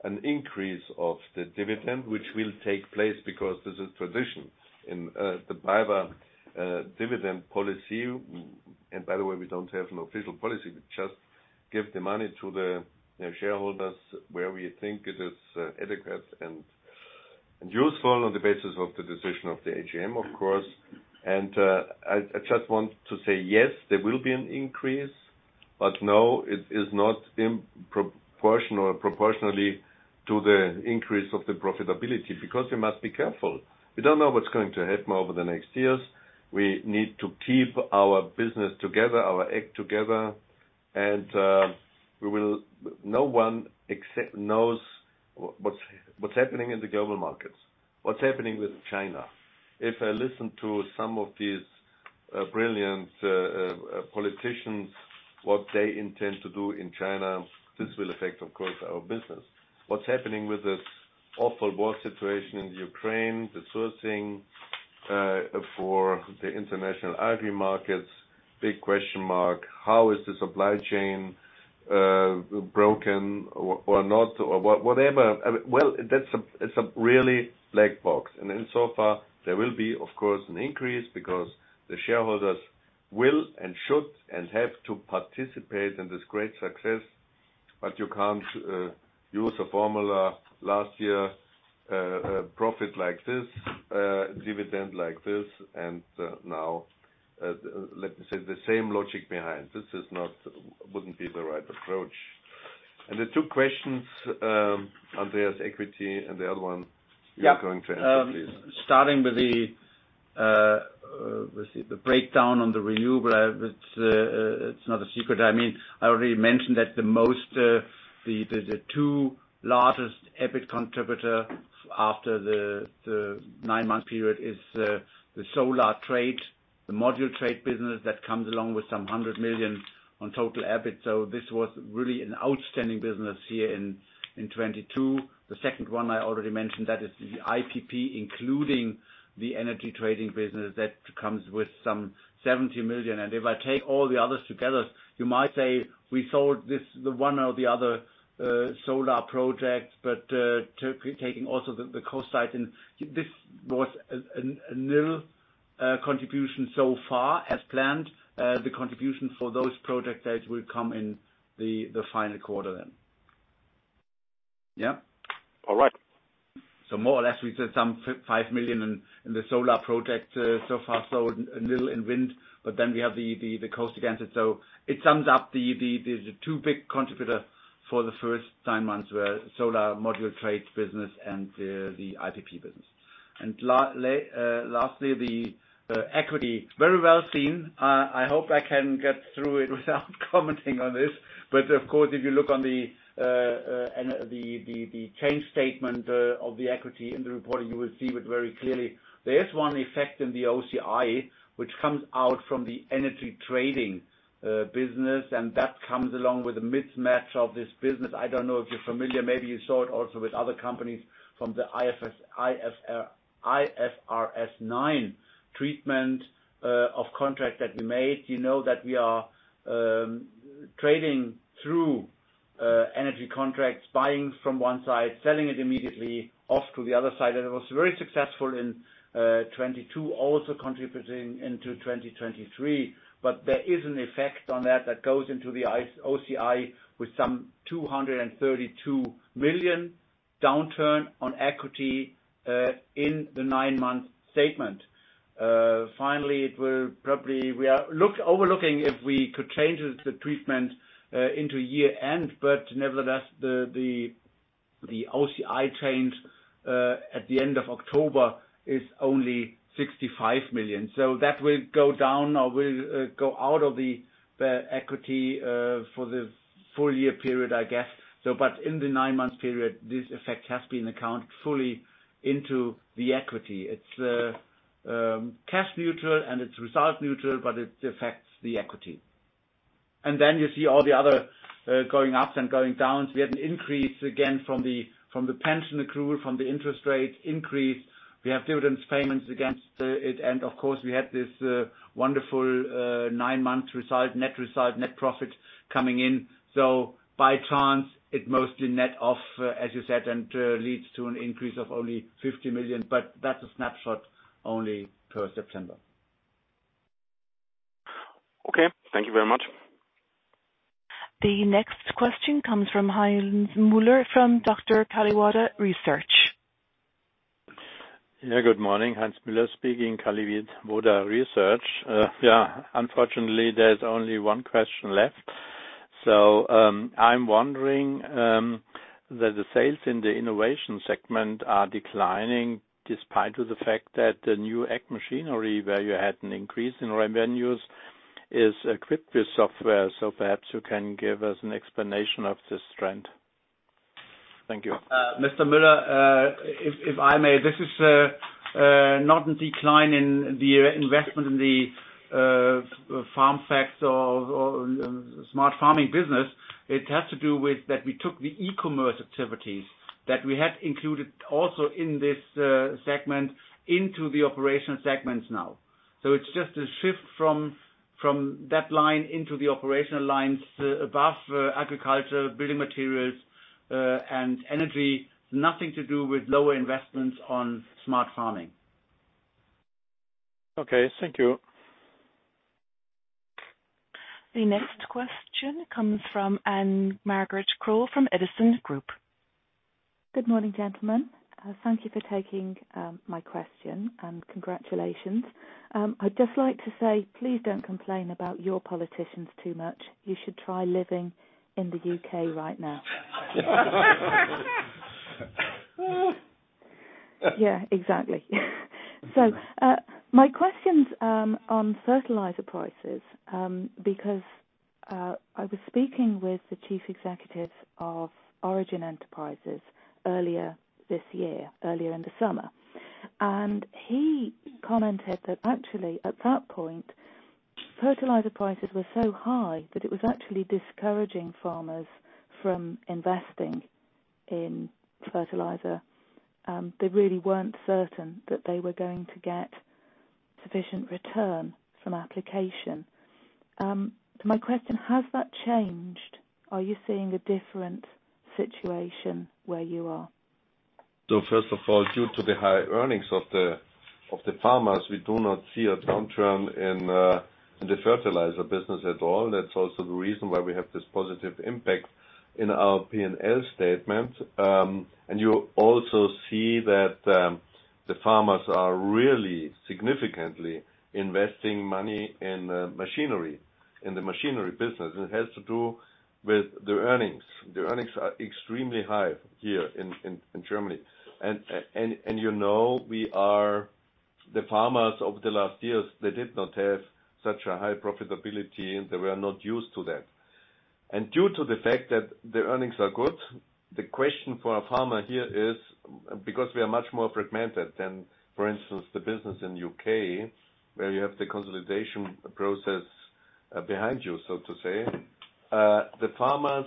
an increase of the dividend, which will take place because this is tradition in the BayWa dividend policy. By the way, we don't have an official policy. We just give the money to the shareholders where we think it is adequate and useful on the basis of the decision of the AGM, of course. I just want to say, yes, there will be an increase, but no, it is not proportionally to the increase of the profitability, because we must be careful. We don't know what's going to happen over the next years. We need to keep our business together, our act together, and No one knows what's happening in the global markets, what's happening with China. If I listen to some of these brilliant politicians, what they intend to do in China, this will affect, of course, our business. What's happening with this awful war situation in Ukraine, the sourcing for the international agri markets. Big question mark. How is the supply chain broken or not or whatever. I mean, well, that's a, it's a really black box. Insofar, there will be, of course, an increase because the shareholders will and should and have to participate in this great success. But you can't use a formula. Last year, a profit like this, dividend like this, and now, let me say, the same logic behind. Wouldn't be the right approach. The two questions, Andreas, equity and the other one, you are going to answer, please. Yeah. Starting with the breakdown on the renewable. It's not a secret. I mean, I already mentioned that the two largest EBIT contributor after the nine-month period is the solar trade, the module trade business that comes along with 100 million to total EBIT. This was really an outstanding business here in 2022. The second one I already mentioned, that is the IPP, including the energy trading business that comes with 70 million. If I take all the others together, you might say we sold the one or the other solar project, but taking also the cost side. This was a nil contribution so far as planned. The contribution for those projects will come in the final quarter then. Yeah. All right. More or less, we said some 5 million in the solar project so far sold and little in wind. We have the cost against it. It sums up the two big contributors for the first nine months were solar module trade business and the IPP business. Lastly, the equity. Very well seen. I hope I can get through it without commenting on this. Of course, if you look on the statement of changes in equity in the reporting, you will see it very clearly. There is one effect in the OCI which comes out from the energy trading business, and that comes along with a mismatch of this business. I don't know if you're familiar. Maybe you saw it also with other companies from the IFRS9 treatment of contract that we made. You know that we are trading through energy contracts, buying from one side, selling it immediately off to the other side. It was very successful in 2022, also contributing into 2023. There is an effect on that that goes into the OCI with some 232 million downturn on equity in the nine-month statement. Finally, we are overlooking if we could change the treatment into year-end, but nevertheless, the OCI change at the end of October is only 65 million. That will go down or will go out of the equity for the full year period, I guess. in the nine-month period, this effect has been accounted fully into the equity. It's cash neutral and it's result neutral, but it affects the equity. You see all the other going ups and going downs. We had an increase again from the pension accrual, from the interest rate increase. We have dividend payments against it. Of course, we had this wonderful nine-month result, net result, net profit coming in. By chance, it mostly net off, as you said, and leads to an increase of only 50 million, but that's a snapshot only per September. Okay, thank you very much. The next question comes from Heinz Müller from Dr. Kalliwoda Research. Yeah, good morning, Heinz Müller speaking, Kalliwoda Research. Yeah, unfortunately, there's only one question left. I'm wondering that the sales in the innovation segment are declining despite of the fact that the new ag machinery, where you had an increase in revenues, is equipped with software. Perhaps you can give us an explanation of this trend. Thank you. Mr. Müller, if I may, this is not a decline in the investment in the FarmFacts or smart farming business. It has to do with that we took the e-commerce activities that we had included also in this segment into the operating segments now. It's just a shift from that line into the operational lines of agriculture, building materials, and energy. Nothing to do with lower investments on smart farming. Okay, thank you. The next question comes from Anne Margaret Crow from Edison Group. Good morning, gentlemen. Thank you for taking my question, and congratulations. I'd just like to say, please don't complain about your politicians too much. You should try living in the U.K. right now. Yeah, exactly. My question's on fertilizer prices, because I was speaking with the chief executive of Origin Enterprises earlier this year, earlier in the summer. He commented that actually, at that point, fertilizer prices were so high that it was actually discouraging farmers from investing in fertilizer. They really weren't certain that they were going to get sufficient return from application. My question, has that changed? Are you seeing a different situation where you are? First of all, due to the high earnings of the farmers, we do not see a downturn in the fertilizer business at all. That's also the reason why we have this positive impact in our P&L statement. You also see that the farmers are really significantly investing money in machinery, in the machinery business. It has to do with their earnings. Their earnings are extremely high here in Germany. You know, we are the farmers of the last years, they did not have such a high profitability, and they were not used to that. Due to the fact that the earnings are good, the question for a farmer here is, because we are much more fragmented than, for instance, the business in U.K, where you have the consolidation process behind you, so to say. The farmers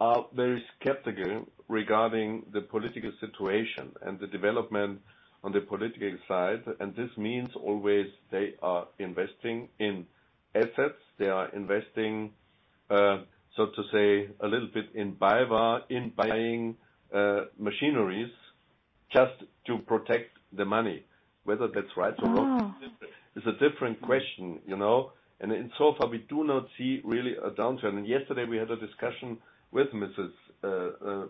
are very skeptical regarding the political situation and the development on the political side. This means always they are investing in assets. They are investing, so to say, a little bit in buying machineries just to protect the money. Whether that's right or wrong. Oh. This is a different question, you know. So far, we do not see really a downturn. Yesterday we had a discussion with [Mrs.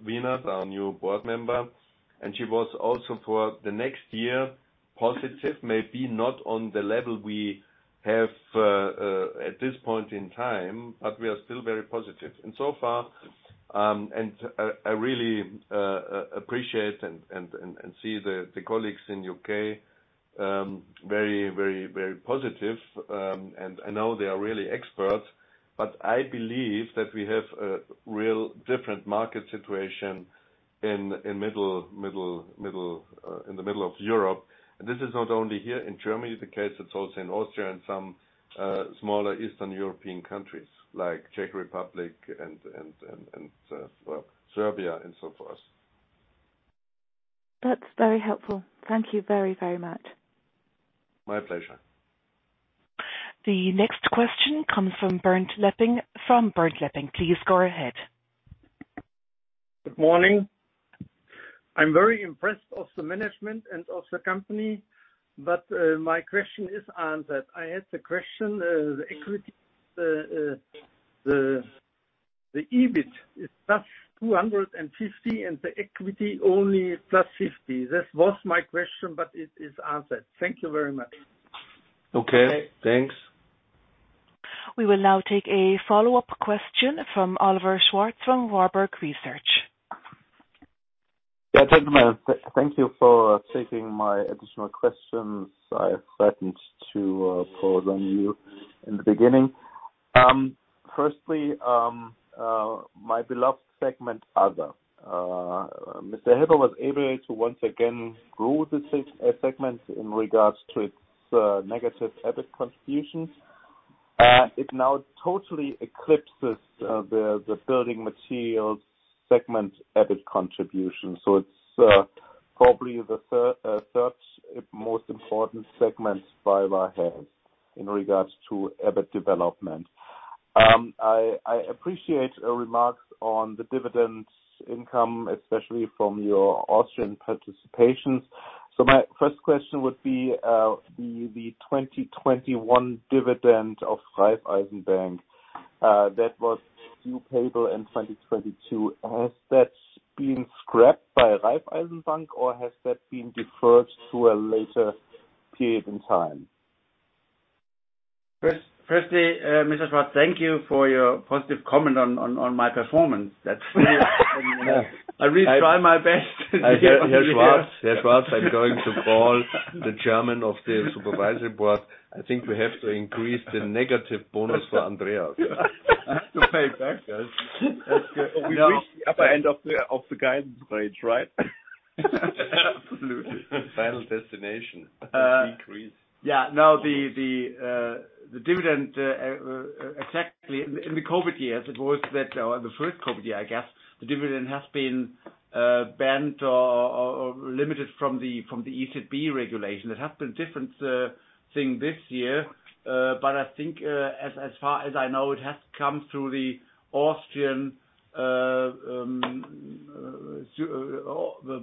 Lina], our new board member, and she was also for the next year positive, maybe not on the level we have at this point in time, but we are still very positive. So far, I really appreciate and see the colleagues in U.K. very, very, very positive. I know they are really experts, but I believe that we have a real different market situation in the middle of Europe. This is not only here in Germany the case, it's also in Austria and some smaller Eastern European countries like Czech Republic and well, Serbia and so forth. That's very helpful. Thank you very, very much. My pleasure. The next question comes from Bernd Lepping from Bernd Lepping. Please go ahead. Good morning. I'm very impressed of the management and of the company. My question is answered. I had the question, the equity, the EBIT is +250 million and the equity only +50 million. This was my question. It is answered. Thank you very much. Okay, thanks. We will now take a follow-up question from Oliver Schwarz from Warburg Research. Yeah, gentlemen, thank you for taking my additional questions I threatened to pose on you in the beginning. Firstly, my beloved segment, Other. Mr. Helber was able to once again grow this segment in regards to its negative EBIT contributions. It now totally eclipses the Building Materials segment EBIT contribution. It's probably the third most important segment BayWa has in regards to EBIT development. I appreciate your remarks on the dividend income, especially from your Austrian participations. My first question would be the 2021 dividend of Raiffeisen Bank that was due payable in 2022. Has that been scrapped by Raiffeisen Bank, or has that been deferred to a later period in time? Firstly, Mr. Schwarz, thank you for your positive comment on my performance. That's, I really try my best. Herr Schwarz, I'm going to call the chairman of the Supervisory Board. I think we have to increase the negative bonus for Andreas. I have to pay back, guys. That's good. We reached the upper end of the guidance range, right? Absolutely. Final destination. Decrease. Yeah. No. The dividend exactly. In the COVID years, it was that the first COVID year, I guess, the dividend has been banned or limited from the ECB regulation. That has been different thing this year. I think, as far as I know, it has come through the Austrian the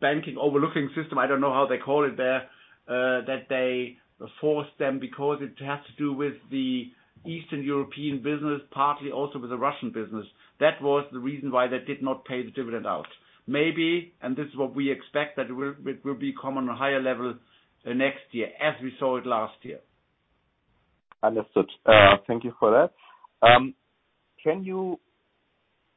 banking oversight system, I don't know how they call it there, that they forced them because it has to do with the Eastern European business, partly also with the Russian business. That was the reason why they did not pay the dividend out. Maybe, this is what we expect, that it will become on a higher level next year, as we saw it last year. Understood. Thank you for that. Can you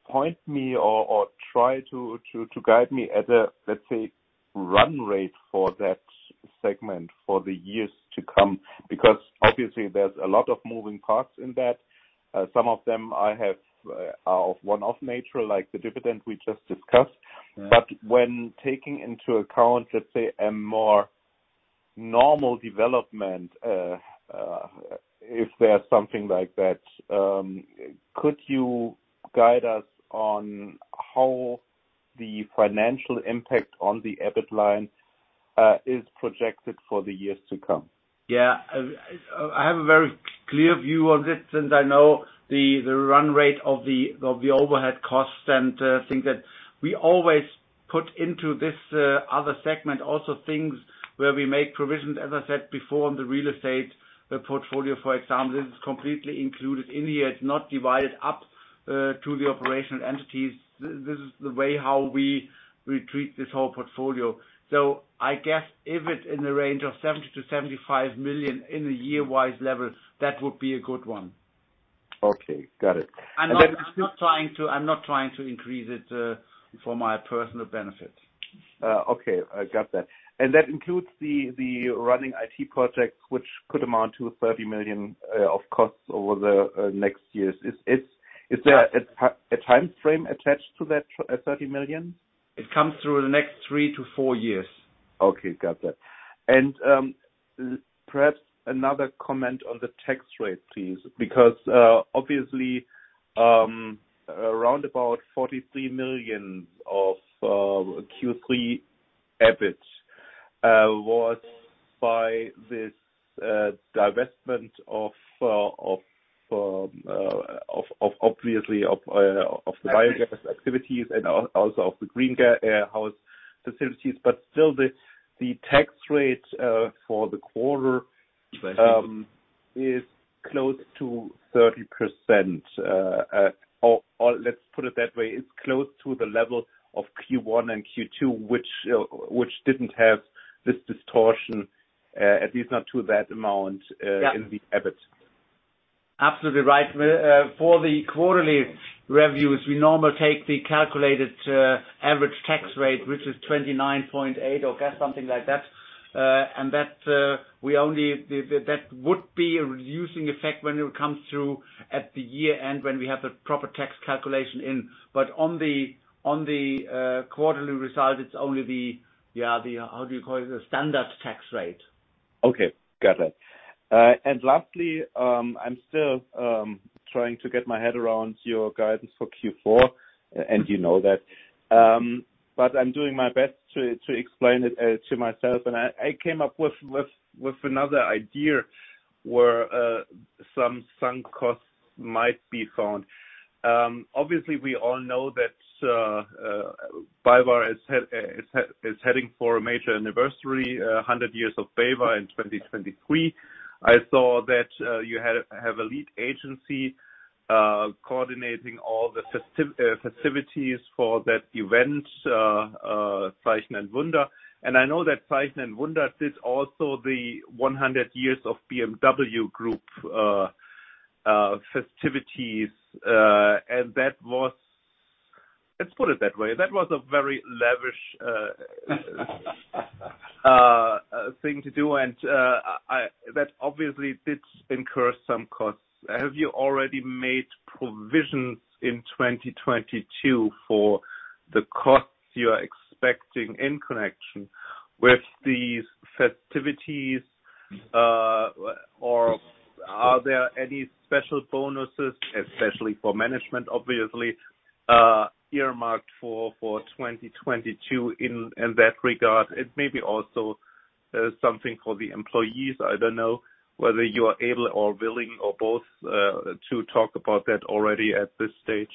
point me or try to guide me to a, let's say, run rate for that segment for the years to come? Because obviously there's a lot of moving parts in that. Some of them are of one-off nature, like the dividend we just discussed. Mm-hmm. When taking into account, let's say, a more normal development, if there's something like that, could you guide us on how the financial impact on the EBIT line is projected for the years to come? Yeah. I have a very clear view on this, since I know the run rate of the overhead costs and things that we always put into this other segment, also things where we make provisions, as I said before, on the real estate portfolio, for example. This is completely included in here. It's not divided up to the operational entities. This is the way how we treat this whole portfolio. I guess if it's in the range of 70 million-75 million in a year-wide level, that would be a good one. Okay. Got it. I'm not trying to increase it for my personal benefit. Okay. I got that. That includes the running IT projects which could amount to 30 million of costs over the next years. Is there a timeframe attached to that 30 million? It comes through the next three to four years. Okay. Got that. Perhaps another comment on the tax rate, please. Because obviously around about 43 million of Q3 EBIT was by this divestment of the biogas activities and also of the greenhouse facilities. Still the tax rate for the quarter is close to 30%. Or let's put it that way, it's close to the level of Q1 and Q2, which didn't have this distortion, at least not to that amount. Yeah. in the EBIT. Absolutely right. For the quarterly reviews, we normally take the calculated average tax rate, which is 29.8%, or something like that. That would be a reducing effect when it comes through at the year-end when we have a proper tax calculation in. On the quarterly result, it's only the, how do you call it? The standard tax rate. Okay. Got that. Lastly, I'm still trying to get my head around your guidance for Q4, and you know that. I'm doing my best to explain it to myself. I came up with another idea where some sunk costs might be found. Obviously we all know that BayWa is heading for a major anniversary, 100 years of BayWa in 2023. I saw that you have a lead agency coordinating all the festivities for that event, Zeichen & Wunder. I know that Zeichen & Wunder did also the 100 years of BMW Group festivities. That was. Let's put it that way. That was a very lavish thing to do. That obviously did incur some costs. Have you already made provisions in 2022 for the costs you are expecting in connection with these festivities, or are there any special bonuses, especially for management, obviously, earmarked for 2022 in that regard? It may be also, something for the employees. I don't know whether you are able or willing or both, to talk about that already at this stage.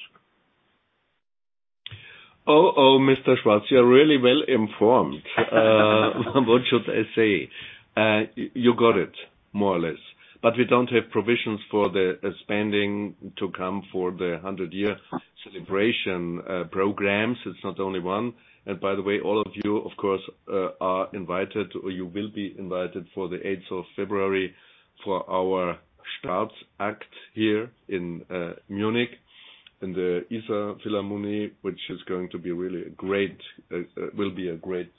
Mr. Schwarz, you're really well informed. What should I say? You got it, more or less. We don't have provisions for the spending to come for the 100-year celebration programs. It's not only one. By the way, all of you, of course, are invited, or you will be invited for the 8th of February for our start act here in Munich in the Isarphilharmonie, which is going to be really great. It will be a great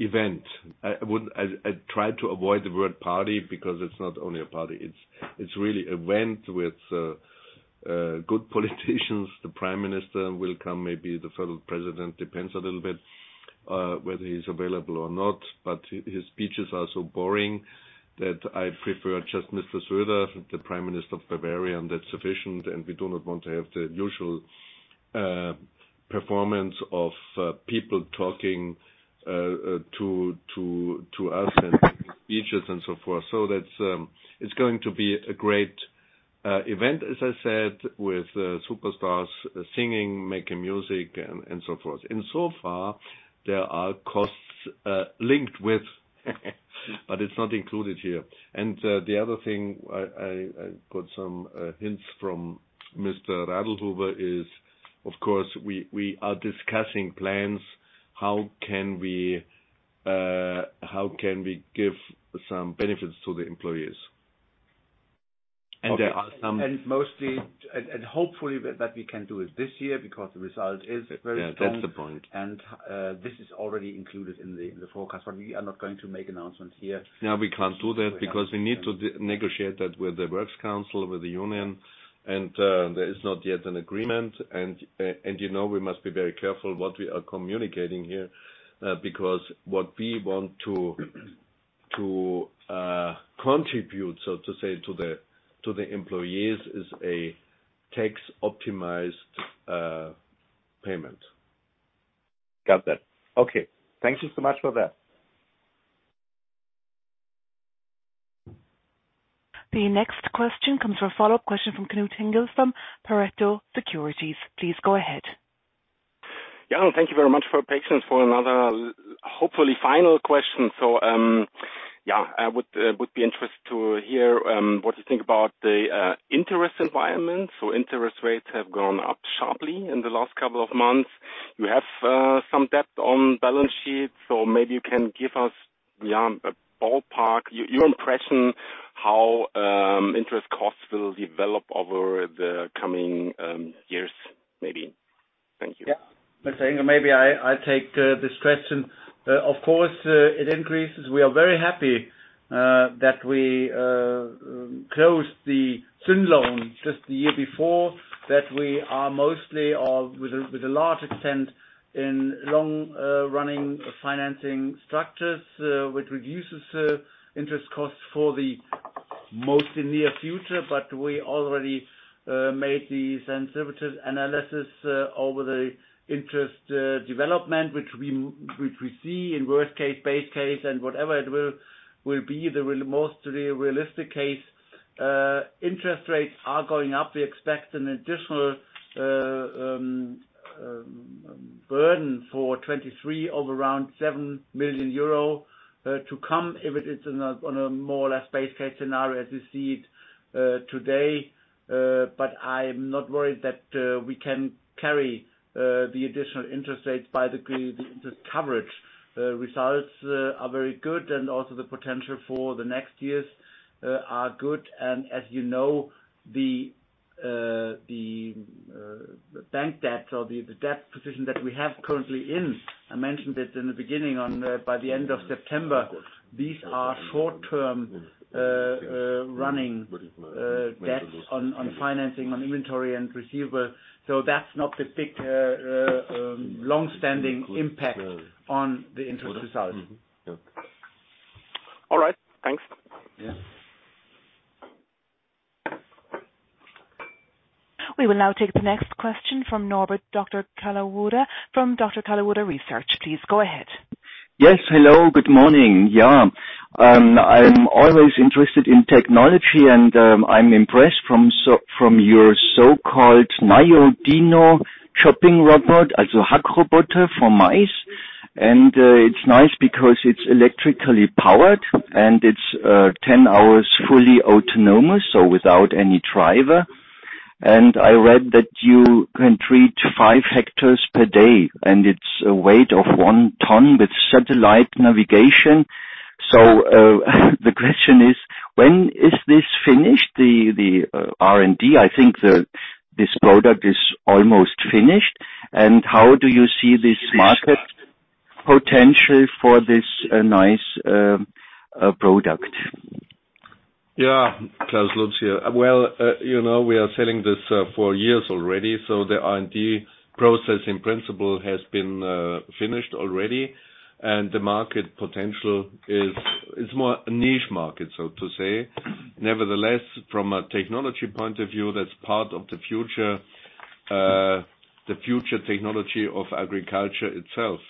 event. I try to avoid the word party because it's not only a party. It's really event with good politicians. The Prime Minister will come, maybe the Federal President, depends a little bit whether he's available or not. His speeches are so boring that I prefer just Mr. Söder, the Prime Minister of Bavaria, and that's sufficient. We do not want to have the usual performance of people talking to us and speeches and so forth. That's going to be a great event, as I said, with superstars singing, making music, and so forth. In so far, there are costs linked with but it's not included here. The other thing I got some hints from Mr. [Radeljic] is, of course, we are discussing plans, how can we give some benefits to the employees? There are some- Hopefully that we can do it this year because the result is very strong. Yeah, that's the point. This is already included in the forecast. We are not going to make announcements here. Yeah, we can't do that because we need to negotiate that with the works council, with the union. There is not yet an agreement. You know, we must be very careful what we are communicating here, because what we want to contribute, so to say, to the employees is a tax-optimized payment. Got that. Okay. Thank you so much for that. The next question comes for a follow-up question from Knut Hinkel from Pareto Securities. Please go ahead. Yeah. Thank you very much for your patience for another, hopefully final question. Yeah, I would be interested to hear what you think about the interest environment. Interest rates have gone up sharply in the last couple of months. You have some debt on balance sheet, so maybe you can give us a ballpark. Your impression how interest costs will develop over the coming years, maybe. Thank you. Yeah. Let's say maybe I take this question. Of course, it increases. We are very happy that we closed the syndicated loan just the year before, that we are mostly or with a large extent in long-running financing structures, which reduces interest costs for the mostly near future. We already made these sensitivity analysis over the interest development, which we see in worst-case, base-case, and whatever it will be the most realistic case. Interest rates are going up. We expect an additional burden for 2023 of around 7 million euro to come if it is on a more or less base-case scenario as we see it today. I'm not worried that we can carry the additional interest rates by the coverage. Results are very good and also the potential for the next years are good. As you know, the bank debt or the debt position that we have currently in, I mentioned it in the beginning on by the end of September, these are short-term running debts on financing, on inventory and receivable. That's not the big long-standing impact on the interest results. All right. Thanks. Yeah. We will now take the next question from Norbert Dr. Kalliwoda from Dr. Kalliwoda Research. Please go ahead. Yes. Hello, good morning. Yeah. I'm always interested in technology and, I'm impressed by your so-called Dino chopping robot, also Hackroboter for maize. It's nice because it's electrically powered and it's 10 hours fully autonomous, so without any driver. I read that you can treat 5 hectares per day, and it's a weight of 1 ton with satellite navigation. The question is, when is this finished, the R&D? I think this product is almost finished. How do you see this market potential for this nice product? Yeah. Klaus Lutz here. Well, you know, we are selling this for years already, so the R&D process in principle has been finished already, and the market potential is more a niche market, so to say. Nevertheless, from a technology point of view, that's part of the future, the future technology of agriculture itself.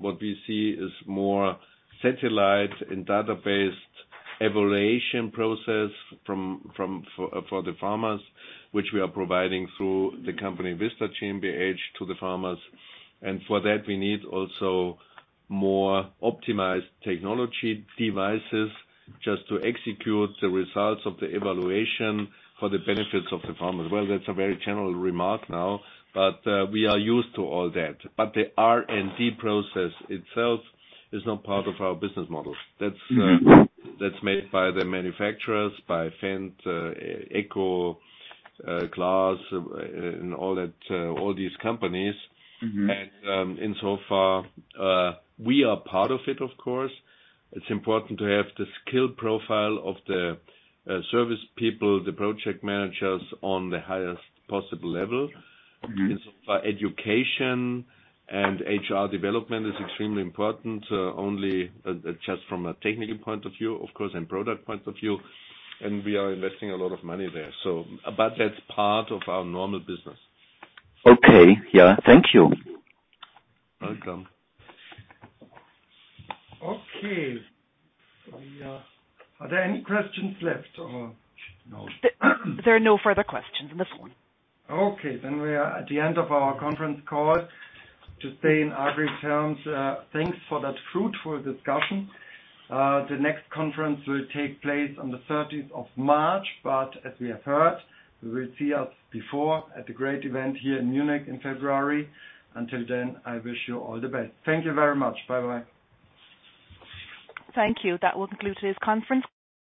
What we see is more satellite and data-based evaluation process for the farmers, which we are providing through the company Vista GmbH to the farmers. For that, we need also more optimized technology devices just to execute the results of the evaluation for the benefits of the farmers. Well, that's a very general remark now, but we are used to all that. The R&D process itself is not part of our business model. That's made by the manufacturers, by Fendt, AGCO, CLAAS, and all that, all these companies. Mm-hmm. In so far, we are part of it, of course. It's important to have the skill profile of the service people, the project managers on the highest possible level. Mm-hmm. So far, education and HR development is extremely important, only just from a technical point of view, of course, and product point of view, and we are investing a lot of money there. That's part of our normal business. Okay. Yeah. Thank you. Welcome. Okay. Are there any questions left or? There are no further questions in this one. Okay. We are at the end of our conference call. To stay in agri terms, thanks for that fruitful discussion. The next conference will take place on the 13th of March, but as we have heard, we will see you before at the great event here in Munich in February. Until then, I wish you all the best. Thank you very much. Bye-bye. Thank you. That will conclude today's conference.